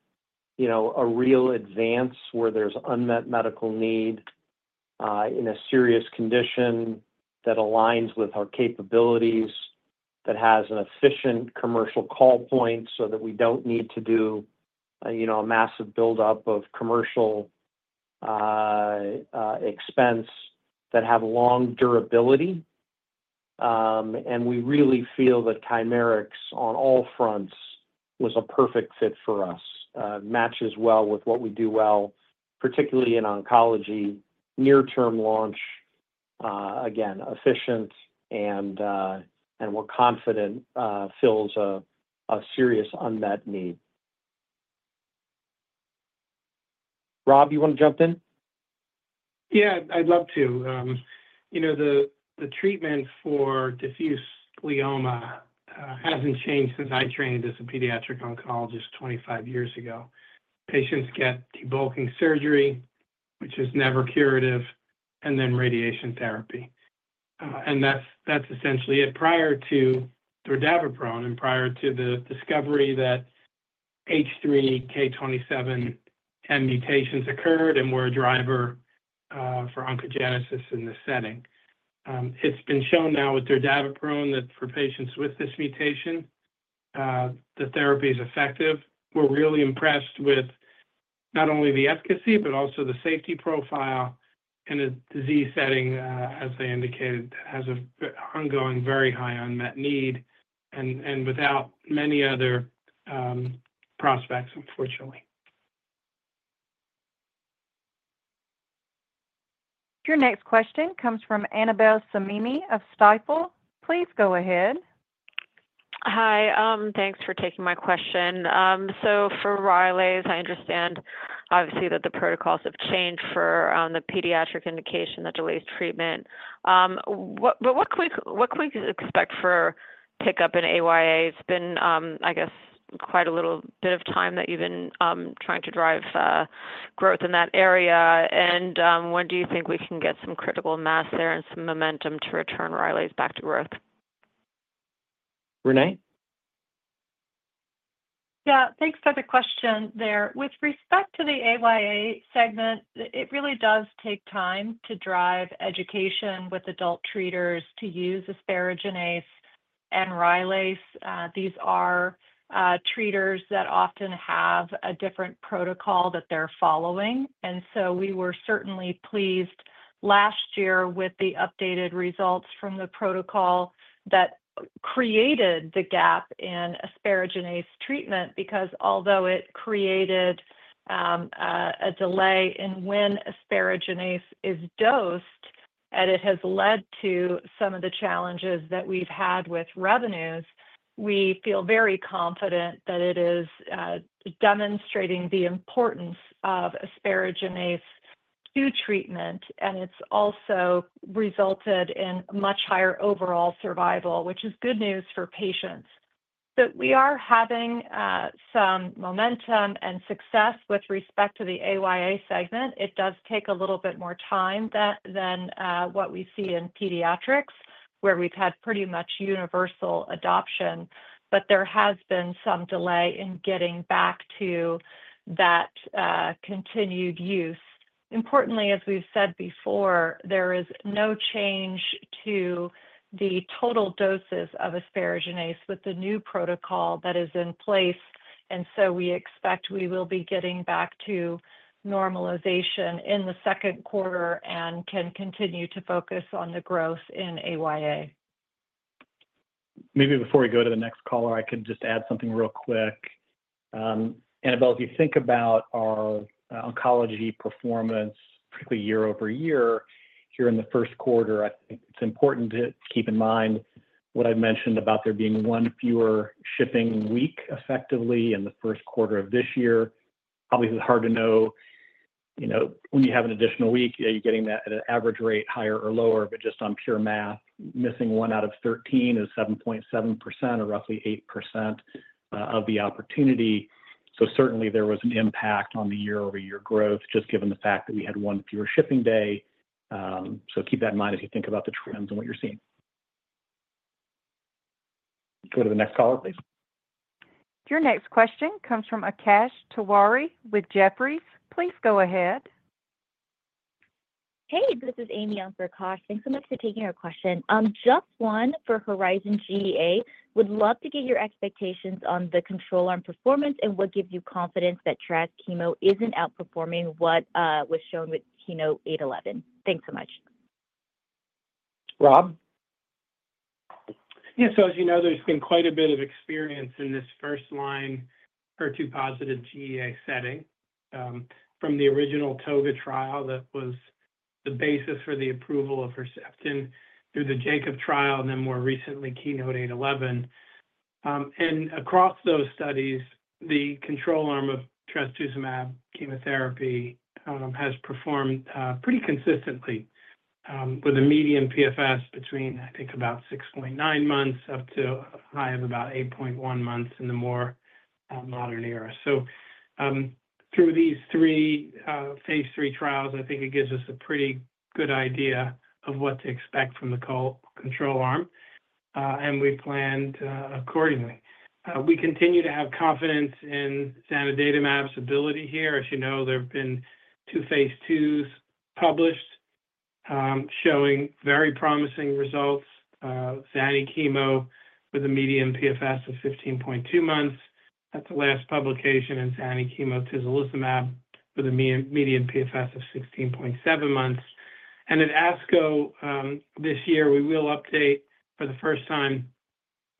a real advance where there's unmet medical need in a serious condition that aligns with our capabilities, that has an efficient commercial call point so that we don't need to do a massive buildup of commercial expense, that have long durability. We really feel that Chimerix on all fronts was a perfect fit for us, matches well with what we do well, particularly in oncology, near-term launch, again, efficient, and we're confident fills a serious unmet need. Rob, you want to jump in? Yeah. I'd love to. The treatment for diffuse glioma has not changed since I trained as a pediatric oncologist 25 years ago. Patients get debulking surgery, which is never curative, and then radiation therapy. That is essentially it. Prior to dordaviprone and prior to the discovery that H3 K27M mutations occurred and were a driver for oncogenesis in this setting, it has been shown now with dordaviprone that for patients with this mutation, the therapy is effective. We're really impressed with not only the efficacy, but also the safety profile in a disease setting, as I indicated, has an ongoing very high unmet need and without many other prospects, unfortunately. Your next question comes from Annabel Samimy of Stifel. Please go ahead. Hi. Thanks for taking my question. For Rylaze, I understand, obviously, that the protocols have changed for the pediatric indication that delays treatment. What can we expect for pickup in AYA? It's been, I guess, quite a little bit of time that you've been trying to drive growth in that area. When do you think we can get some critical mass there and some momentum to return Rylaze back to growth? Renee? Yeah. Thanks for the question there. With respect to the AYA segment, it really does take time to drive education with adult treaters to use asparaginase and Rylaze. These are treaters that often have a different protocol that they're following. We were certainly pleased last year with the updated results from the protocol that created the gap in asparaginase treatment because although it created a delay in when asparaginase is dosed, and it has led to some of the challenges that we've had with revenues, we feel very confident that it is demonstrating the importance of asparaginase to treatment. It has also resulted in much higher overall survival, which is good news for patients. We are having some momentum and success with respect to the AYA segment. It does take a little bit more time than what we see in pediatrics, where we've had pretty much universal adoption. There has been some delay in getting back to that continued use. Importantly, as we've said before, there is no change to the total doses of asparaginase with the new protocol that is in place. We expect we will be getting back to normalization in the second quarter and can continue to focus on the growth in AYA. Maybe before we go to the next caller, I can just add something real quick. Annabelle, if you think about our oncology performance, particularly year-over-year, here in the 1st quarter, I think it's important to keep in mind what I've mentioned about there being one fewer shipping week effectively in the 1st quarter of this year. Obviously, it's hard to know when you have an additional week, are you getting that at an average rate, higher or lower, but just on pure math, missing one out of 13 is 7.7% or roughly 8% of the opportunity. Certainly, there was an impact on the year-over-year growth just given the fact that we had one fewer shipping day. Keep that in mind as you think about the trends and what you're seeing. Go to the next caller, please. Your next question comes from Akash Tewari with Jefferies. Please go ahead. Hey, this is Amy on for Akash. Thanks so much for taking our question. Just one for HERIZON GEA. Would love to get your expectations on the control arm performance and what gives you confidence that Traz/Kemo isn't outperforming what was shown with KEYNOTE-811. Thanks so much. Rob? Yeah. As you know, there's been quite a bit of experience in this first-line HER2-positive GEA setting from the original TOGA trial that was the basis for the approval of Herceptin through the JACOB trial, and then more recently, KEYNOTE-811. Across those studies, the control arm of trastuzumab chemotherapy has performed pretty consistently with a median PFS between, I think, about 6.9 months up to a high of about 8.1 months in the more modern era. Through these three phase III trials, I think it gives us a pretty good idea of what to expect from the control arm. We planned accordingly. We continue to have confidence in zanidatamab's ability here. As you know, there have been two phase IIs published showing very promising results. zanidatamab with a median PFS of 15.2 months. That's the last publication. And zanidatamab/tezolizumab with a median PFS of 16.7 months. At ASCO this year, we will update for the first time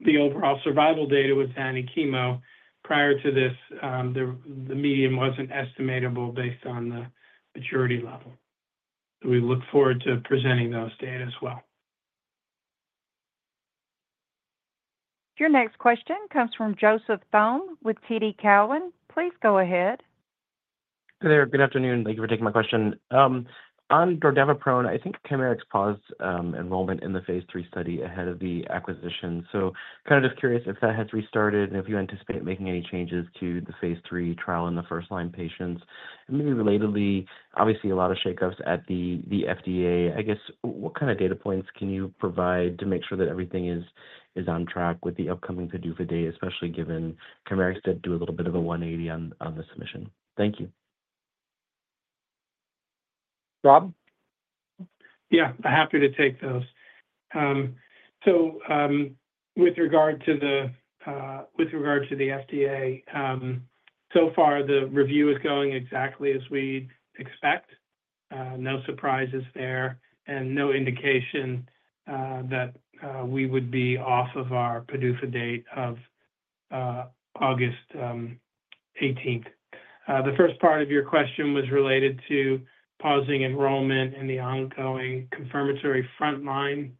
the overall survival data with zanidatamab. Prior to this, the median was not estimatable based on the maturity level. We look forward to presenting those data as well. Your next question comes from Joseph Thome with TD Cowen. Please go ahead. Hey there. Good afternoon. Thank you for taking my question. On dordaviprone, I think Chimerix paused enrollment in the phase III study ahead of the acquisition. Kind of just curious if that has restarted and if you anticipate making any changes to the phase III trial in the first-line patients. Maybe relatedly, obviously, a lot of shakeups at the FDA. I guess, what kind of data points can you provide to make sure that everything is on track with the upcoming PDUFA date, especially given Chimerix did do a little bit of a 180 on the submission? Thank you. Rob? Yeah. Happy to take those. With regard to the FDA, so far, the review is going exactly as we expect. No surprises there and no indication that we would be off of our PDUFA date of August 18. The first part of your question was related to pausing enrollment in the ongoing confirmatory front-line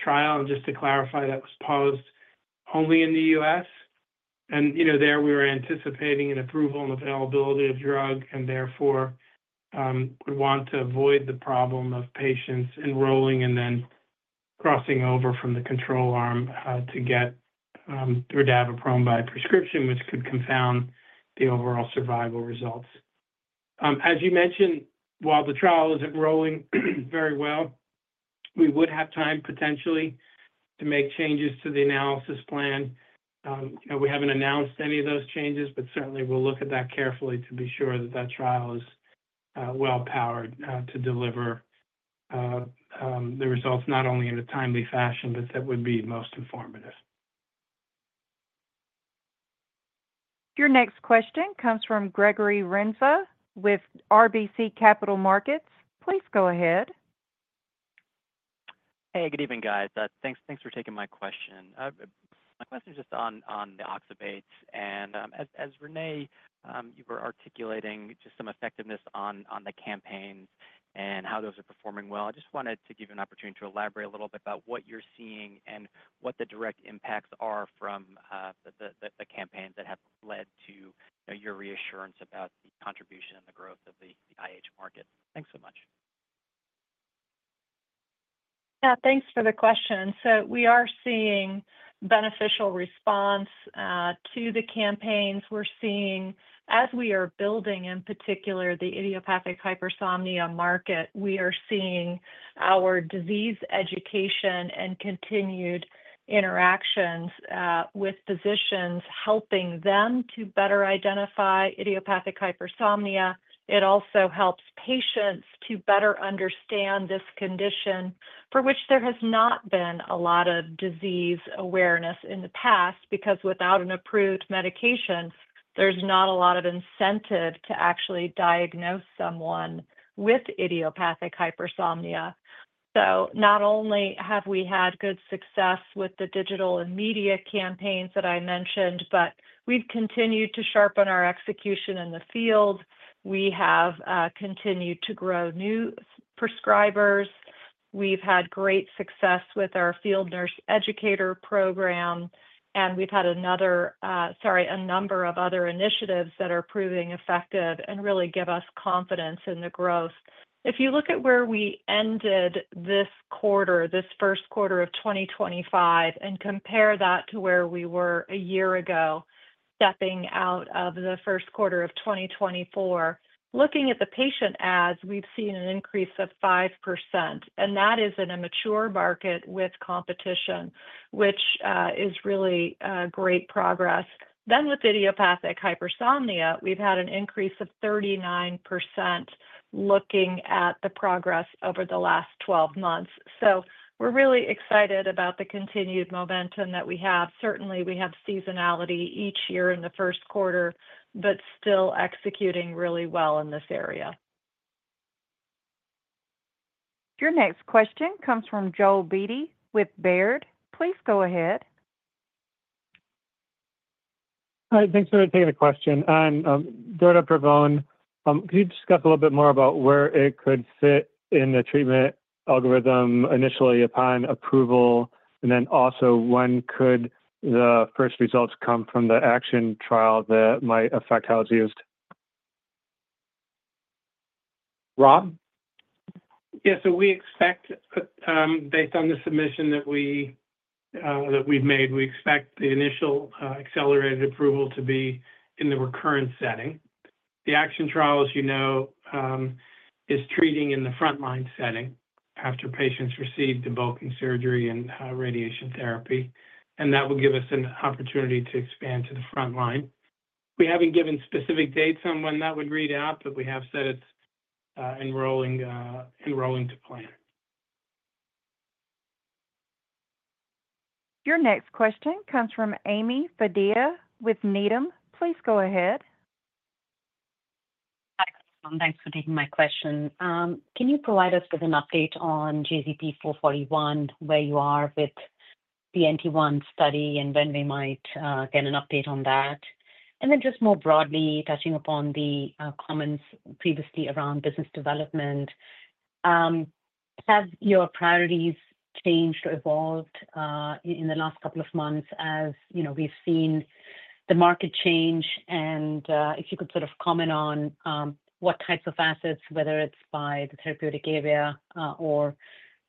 trial. Just to clarify, that was paused only in the U.S. There, we were anticipating an approval and availability of drug and therefore would want to avoid the problem of patients enrolling and then crossing over from the control arm to get dordaviprone by prescription, which could confound the overall survival results. As you mentioned, while the trial is enrolling very well, we would have time potentially to make changes to the analysis plan. We haven't announced any of those changes, but certainly, we'll look at that carefully to be sure that that trial is well-powered to deliver the results not only in a timely fashion, but that would be most informative. Your next question comes from Gregory Renza with RBC Capital Markets. Please go ahead. Hey, good evening, guys. Thanks for taking my question. My question is just on the Oxybates. As Renee, you were articulating just some effectiveness on the campaigns and how those are performing well. I just wanted to give you an opportunity to elaborate a little bit about what you're seeing and what the direct impacts are from the campaigns that have led to your reassurance about the contribution and the growth of the IH market. Thanks so much. Yeah. Thanks for the question. We are seeing beneficial response to the campaigns. We're seeing, as we are building in particular the idiopathic hypersomnia market, we are seeing our disease education and continued interactions with physicians helping them to better identify idiopathic hypersomnia. It also helps patients to better understand this condition for which there has not been a lot of disease awareness in the past because without an approved medication, there's not a lot of incentive to actually diagnose someone with idiopathic hypersomnia. Not only have we had good success with the digital and media campaigns that I mentioned, but we've continued to sharpen our execution in the field. We have continued to grow new prescribers. We've had great success with our field nurse educator program. We've had a number of other initiatives that are proving effective and really give us confidence in the growth. If you look at where we ended this quarter, this 1st quarter of 2025, and compare that to where we were a year ago, stepping out of the 1st quarter of 2024, looking at the patient ads, we've seen an increase of 5%. That is in a mature market with competition, which is really great progress. With idiopathic hypersomnia, we've had an increase of 39% looking at the progress over the last 12 months. We are really excited about the continued momentum that we have. Certainly, we have seasonality each year in the 1st quarter, but still executing really well in this area. Your next question comes from Joel Beatty with Baird. Please go ahead. Hi. Thanks for taking the question. I'm Doran Pravon. Could you discuss a little bit more about where it could fit in the treatment algorithm initially upon approval? Also, when could the 1st results come from the action trial that might affect how it's used? Rob? Yeah. We expect, based on the submission that we've made, we expect the initial accelerated approval to be in the recurrent setting. The action trial, as you know, is treating in the front-line setting after patients receive debulking surgery and radiation therapy. That would give us an opportunity to expand to the front line. We haven't given specific dates on when that would read out, but we have said it's enrolling to plan. Your next question comes from Ami Fadia with Needham. Please go ahead. Hi, everyone. Thanks for taking my question. Can you provide us with an update on JZP-441, where you are with the NT1 study and when we might get an update on that? Just more broadly, touching upon the comments previously around business development, have your priorities changed or evolved in the last couple of months as we've seen the market change? If you could sort of comment on what types of assets, whether it's by the therapeutic area or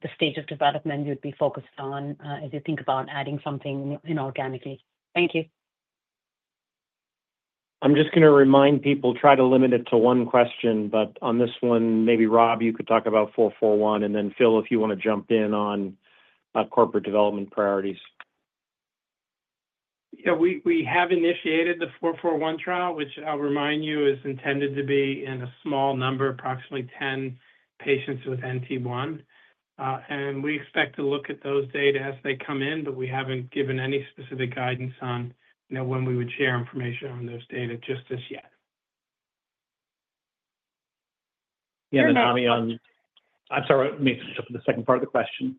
the stage of development you'd be focused on as you think about adding something inorganically. Thank you. I'm just going to remind people, try to limit it to one question. On this one, maybe Rob, you could talk about 441. Phil, if you want to jump in on corporate development priorities. Yeah. We have initiated the 441 trial, which I'll remind you is intended to be in a small number, approximately 10 patients with NT1. And we expect to look at those data as they come in, but we haven't given any specific guidance on when we would share information on those data just as yet. Yeah. The nominee on—I'm sorry. Let me finish up with the second part of the question.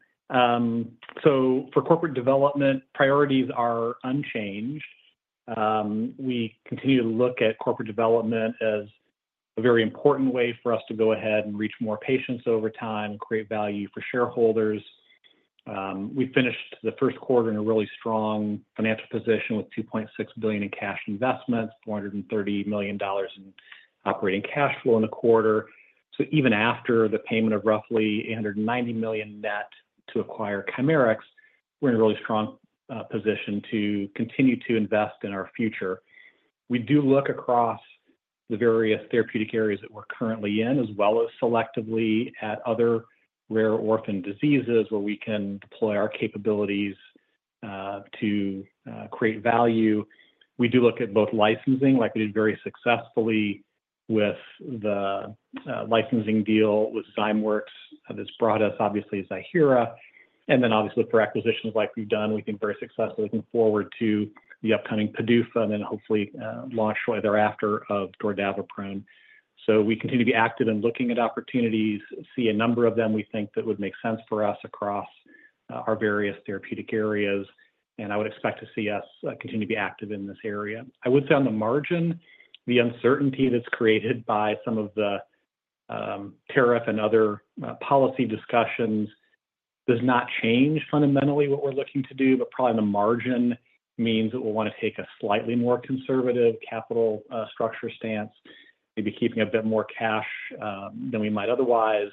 For corporate development, priorities are unchanged. We continue to look at corporate development as a very important way for us to go ahead and reach more patients over time and create value for shareholders. We finished the 1st quarter in a really strong financial position with $2.6 billion in cash investments, $430 million in operating cash flow in the quarter. Even after the payment of roughly $890 million net to acquire Chimerix, we're in a really strong position to continue to invest in our future. We do look across the various therapeutic areas that we're currently in, as well as selectively at other rare orphan diseases where we can deploy our capabilities to create value. We do look at both licensing, like we did very successfully with the licensing deal with Zymworks that has brought us, obviously, zanidatamab. And then obviously, look for acquisitions like we've done. We think very successfully looking forward to the upcoming PDUFA and then hopefully launch right thereafter of dordaviprone. We continue to be active in looking at opportunities, see a number of them we think that would make sense for us across our various therapeutic areas. I would expect to see us continue to be active in this area. I would say on the margin, the uncertainty that's created by some of the tariff and other policy discussions does not change fundamentally what we're looking to do. Probably on the margin means that we'll want to take a slightly more conservative capital structure stance, maybe keeping a bit more cash than we might otherwise,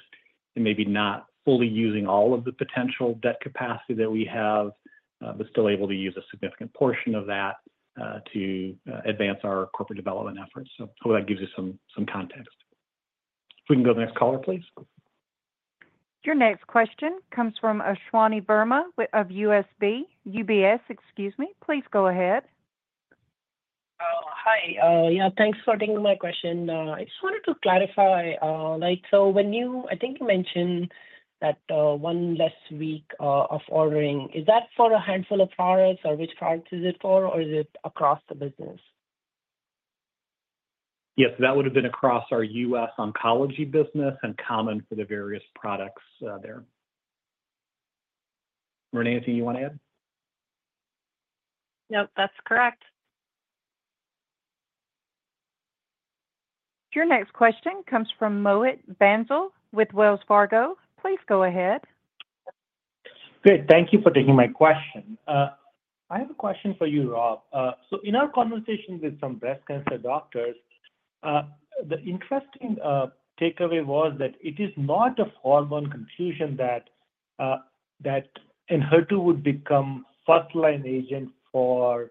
and maybe not fully using all of the potential debt capacity that we have, but still able to use a significant portion of that to advance our corporate development efforts. Hopefully that gives you some context. If we can go to the next caller, please. Your next question comes from Ashwani Verma of UBS. Excuse me. Please go ahead. Hi. Yeah. Thanks for taking my question. I just wanted to clarify. I think you mentioned that one less week of ordering. Is that for a handful of products, or which products is it for, or is it across the business? Yes. That would have been across our U.S. oncology business and common for the various products there. Renee, anything you want to add? Nope. That's correct. Your next question comes from Mohit Bansal with Wells Fargo. Please go ahead. Good. Thank you for taking my question. I have a question for you, Rob. In our conversation with some breast cancer doctors, the interesting takeaway was that it is not a hormone confusion that an HER2 would become 1st-line agent for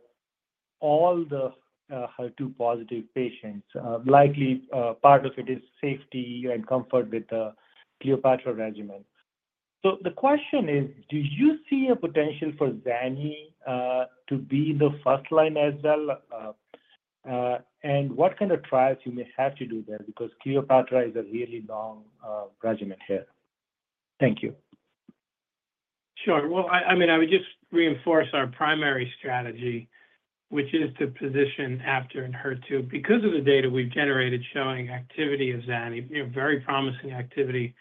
all the HER2-positive patients. Likely, part of it is safety and comfort with the Cleopatra regimen. The question is, do you see a potential for Zanni to be the 1st line as well? What kind of trials you may have to do there? Cleopatra is a really long regimen here. Thank you. Sure. I mean, I would just reinforce our primary strategy, which is to position after an HER2 because of the data we've generated showing activity of zanidatamab, very promising activity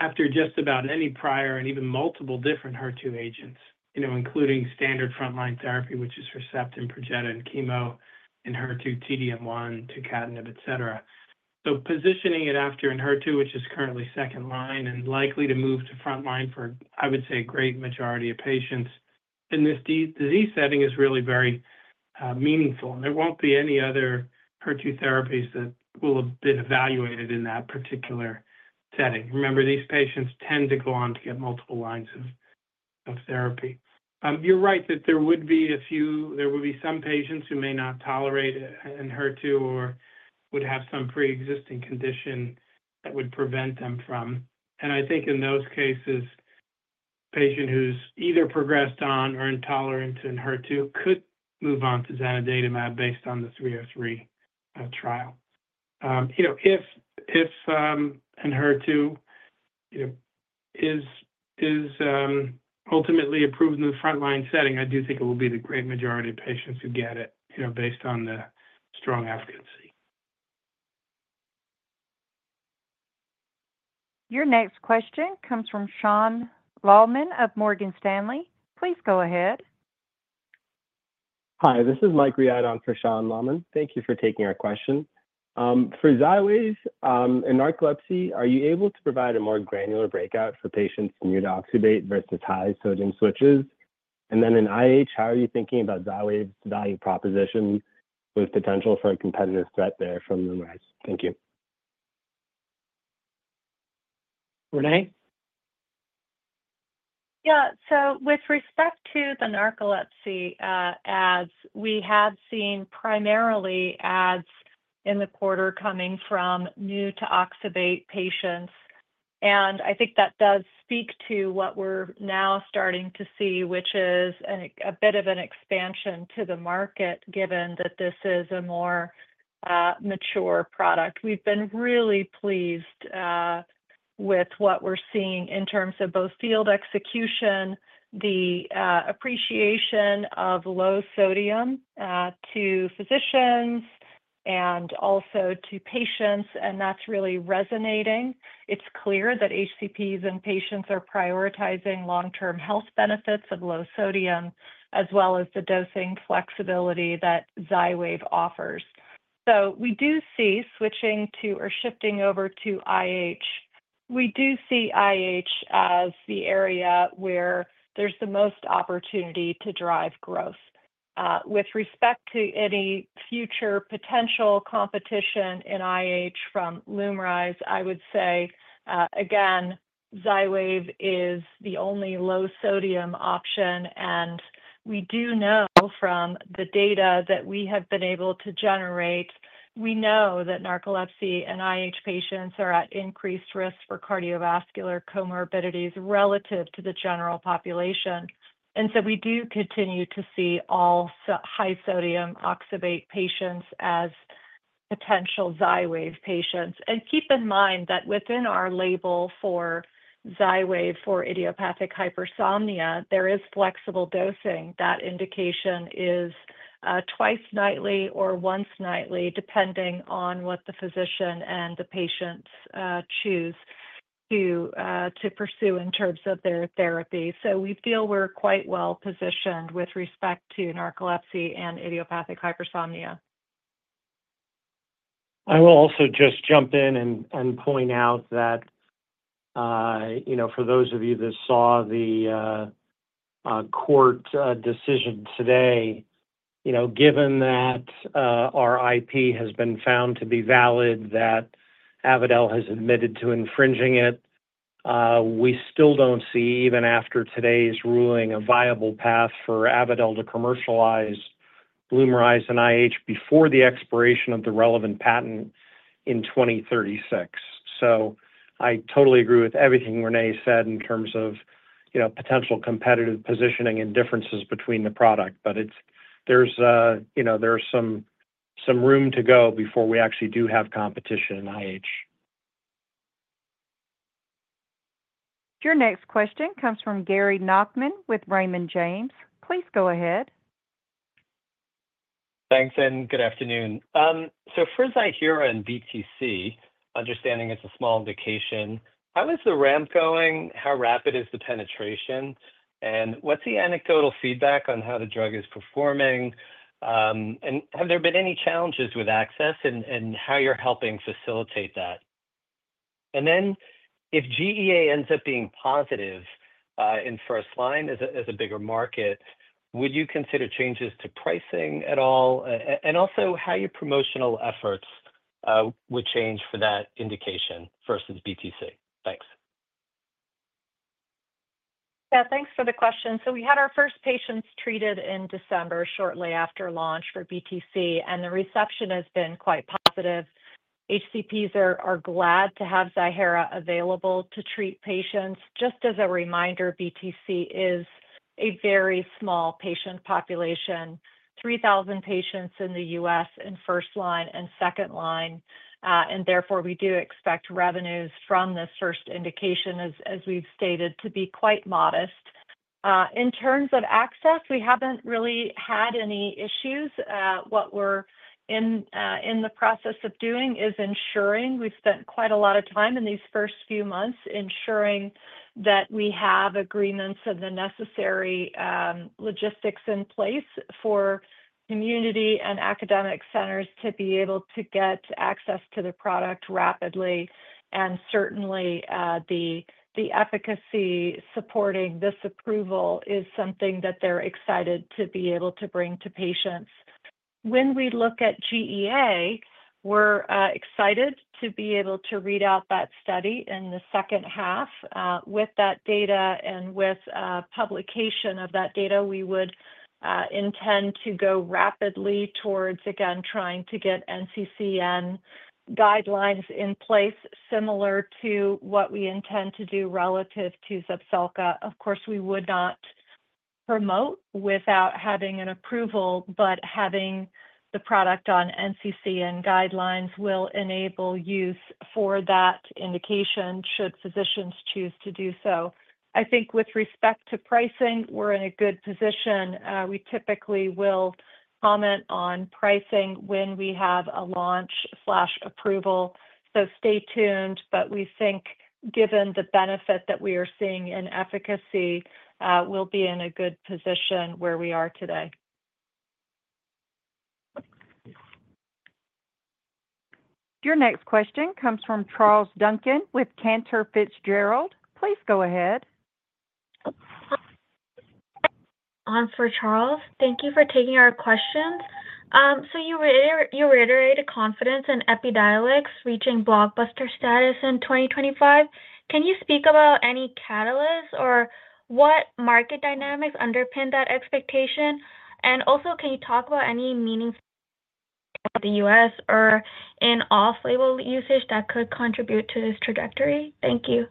after just about any prior and even multiple different HER2 agents, including standard front-line therapy, which is Herceptin, Perjeta, and chemo, and HER2, TDM1, Tucatinib, etc. Positioning it after an HER2, which is currently second line and likely to move to front line for, I would say, a great majority of patients in this disease setting is really very meaningful. There will not be any other HER2 therapies that will have been evaluated in that particular setting. Remember, these patients tend to go on to get multiple lines of therapy. You're right that there would be a few, there would be some patients who may not tolerate an HER2 or would have some pre-existing condition that would prevent them from. I think in those cases, a patient who's either progressed on or intolerant to an HER2 could move on to zanidatamab based on the 303 trial. If an HER2 is ultimately approved in the front-line setting, I do think it will be the great majority of patients who get it based on the strong efficacy. Your next question comes from Sean Laaman of Morgan Stanley. Please go ahead. Hi. This is Mike Riad on for Sean Lallman. Thank you for taking our question. For Xywav and narcolepsy, are you able to provide a more granular breakout for patients needing oxybate versus high-sodium switches? In IH, how are you thinking about Xywav's value proposition with potential for a competitive threat there from the MRIs? Thank you. Renee? Yeah. With respect to the narcolepsy ads, we have seen primarily ads in the quarter coming from new to Oxybate patients. I think that does speak to what we're now starting to see, which is a bit of an expansion to the market given that this is a more mature product. We've been really pleased with what we're seeing in terms of both field execution, the appreciation of low sodium to physicians and also to patients. That's really resonating. It's clear that HCPs and patients are prioritizing long-term health benefits of low sodium as well as the dosing flexibility that Xywav offers. We do see switching to or shifting over to IH. We do see IH as the area where there's the most opportunity to drive growth. With respect to any future potential competition in IH from Lumrise, I would say, again, Xywav is the only low-sodium option. We do know from the data that we have been able to generate, we know that narcolepsy and IH patients are at increased risk for cardiovascular comorbidities relative to the general population. We do continue to see all high-sodium oxybate patients as potential Xywav patients. Keep in mind that within our label for Xywav for idiopathic hypersomnia, there is flexible dosing. That indication is twice nightly or once nightly, depending on what the physician and the patients choose to pursue in terms of their therapy. We feel we are quite well positioned with respect to narcolepsy and idiopathic hypersomnia. I will also just jump in and point out that for those of you that saw the court decision today, given that our IP has been found to be valid, that Avadel has admitted to infringing it, we still do not see, even after today's ruling, a viable path for Avadel to commercialize Lumryz in IH before the expiration of the relevant patent in 2036. I totally agree with everything Renee said in terms of potential competitive positioning and differences between the product. There is some room to go before we actually do have competition in IH. Your next question comes from Gary Nachman with Raymond James. Please go ahead. Thanks, and good afternoon. For zanidatamab and BTC, understanding it's a small indication, how is the ramp going? How rapid is the penetration? What's the anecdotal feedback on how the drug is performing? Have there been any challenges with access and how you're helping facilitate that? If GEA ends up being positive in first line as a bigger market, would you consider changes to pricing at all? Also, how would your promotional efforts change for that indication versus BTC? Thanks. Yeah. Thanks for the question. We had our first patients treated in December shortly after launch for VTC. The reception has been quite positive. HCPs are glad to have Zyhera available to treat patients. Just as a reminder, VTC is a very small patient population, 3,000 patients in the U.S. in first line and second line. Therefore, we do expect revenues from this first indication, as we've stated, to be quite modest. In terms of access, we haven't really had any issues. What we're in the process of doing is ensuring we've spent quite a lot of time in these first few months ensuring that we have agreements and the necessary logistics in place for community and academic centers to be able to get access to the product rapidly. Certainly, the efficacy supporting this approval is something that they're excited to be able to bring to patients. When we look at GEA, we're excited to be able to read out that study in the second half. With that data and with publication of that data, we would intend to go rapidly towards, again, trying to get NCCN guidelines in place similar to what we intend to do relative to Zepzelca. Of course, we would not promote without having an approval, but having the product on NCCN guidelines will enable use for that indication should physicians choose to do so. I think with respect to pricing, we're in a good position. We typically will comment on pricing when we have a launch/approval. Stay tuned. We think given the benefit that we are seeing in efficacy, we'll be in a good position where we are today. Your next question comes from Charles Duncan with Cantor Fitzgerald. Please go ahead. I'm for Charles. Thank you for taking our questions. You reiterated confidence in Epidiolex reaching blockbuster status in 2025. Can you speak about any catalysts or what market dynamics underpin that expectation? Also, can you talk about any meaningful in the U.S. or in off-label usage that could contribute to this trajectory? Thank you.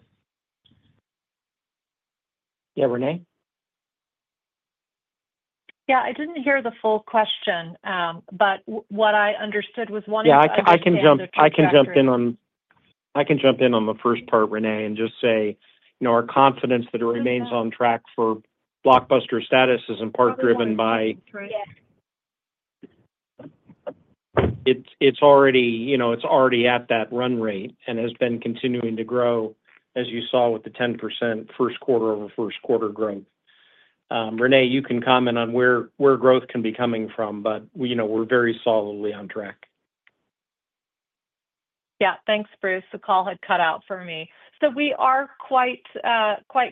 Yeah. Renee? Yeah. I didn't hear the full question, but what I understood was one of the. Yeah. I can jump in on the first part, Renee, and just say our confidence that it remains on track for blockbuster status is in part driven by it's already at that run rate and has been continuing to grow, as you saw with the 10% first quarter over first quarter growth. Renee, you can comment on where growth can be coming from, but we're very solidly on track. Yeah. Thanks, Bruce. The call had cut out for me. We are quite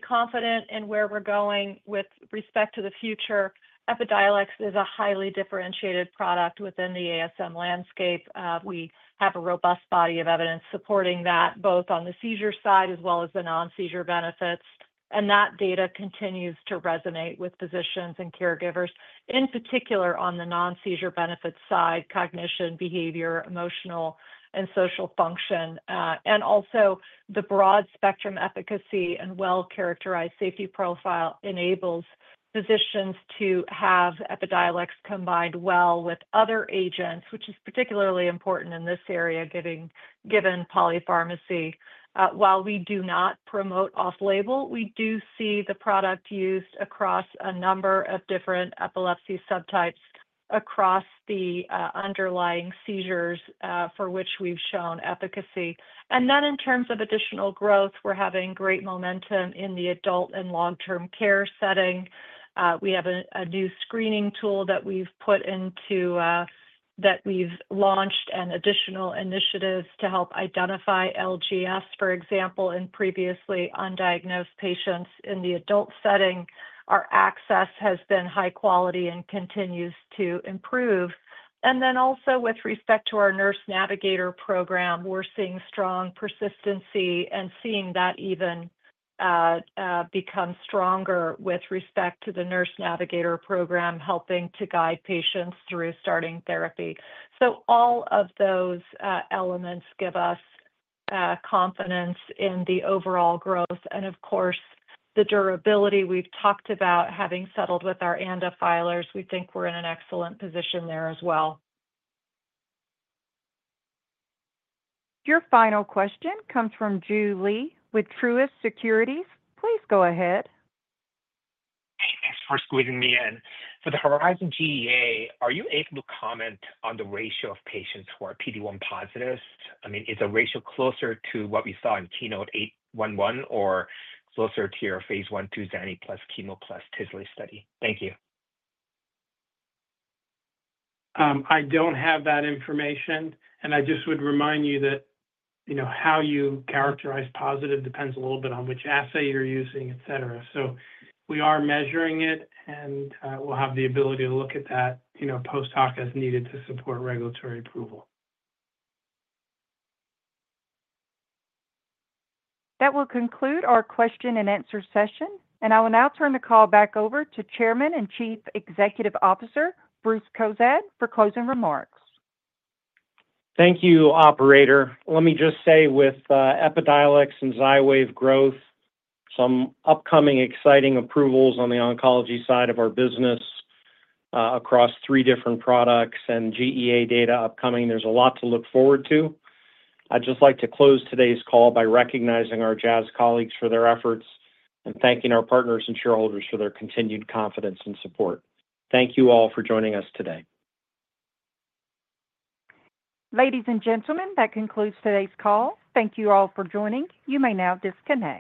confident in where we're going with respect to the future. Epidiolex is a highly differentiated product within the ASM landscape. We have a robust body of evidence supporting that both on the seizure side as well as the non-seizure benefits. That data continues to resonate with physicians and caregivers, in particular on the non-seizure benefits side: cognition, behavior, emotional, and social function. Also, the broad spectrum efficacy and well-characterized safety profile enables physicians to have Epidiolex combine well with other agents, which is particularly important in this area given polypharmacy. While we do not promote off-label, we do see the product used across a number of different epilepsy subtypes across the underlying seizures for which we've shown efficacy. In terms of additional growth, we're having great momentum in the adult and long-term care setting. We have a new screening tool that we've put into that we've launched and additional initiatives to help identify LGS, for example, in previously undiagnosed patients in the adult setting. Our access has been high quality and continues to improve. With respect to our nurse navigator program, we're seeing strong persistency and seeing that even become stronger with respect to the nurse navigator program helping to guide patients through starting therapy. All of those elements give us confidence in the overall growth. The durability we've talked about having settled with our Andaphilers, we think we're in an excellent position there as well. Your final question comes from Julie with Truist Securities. Please go ahead. Hey. Thanks for squeezing me in. For the HERIZON GEA, are you able to comment on the ratio of patients who are PD-1 positives? I mean, is the ratio closer to what we saw in KEYNOTE-811 or closer to your phase I/II Zani plus chemo plus Tisley study? Thank you. I don't have that information. I just would remind you that how you characterize positive depends a little bit on which assay you're using, etc. We are measuring it, and we'll have the ability to look at that post-hoc as needed to support regulatory approval. That will conclude our question-and-answer session. I will now turn the call back over to Chairman and Chief Executive Officer Bruce Cozadd for closing remarks. Thank you, Operator. Let me just say with Epidiolex and Xywav growth, some upcoming exciting approvals on the oncology side of our business across three different products and GEA data upcoming. There's a lot to look forward to. I'd just like to close today's call by recognizing our Jazz colleagues for their efforts and thanking our partners and shareholders for their continued confidence and support. Thank you all for joining us today. Ladies and gentlemen, that concludes today's call. Thank you all for joining. You may now disconnect.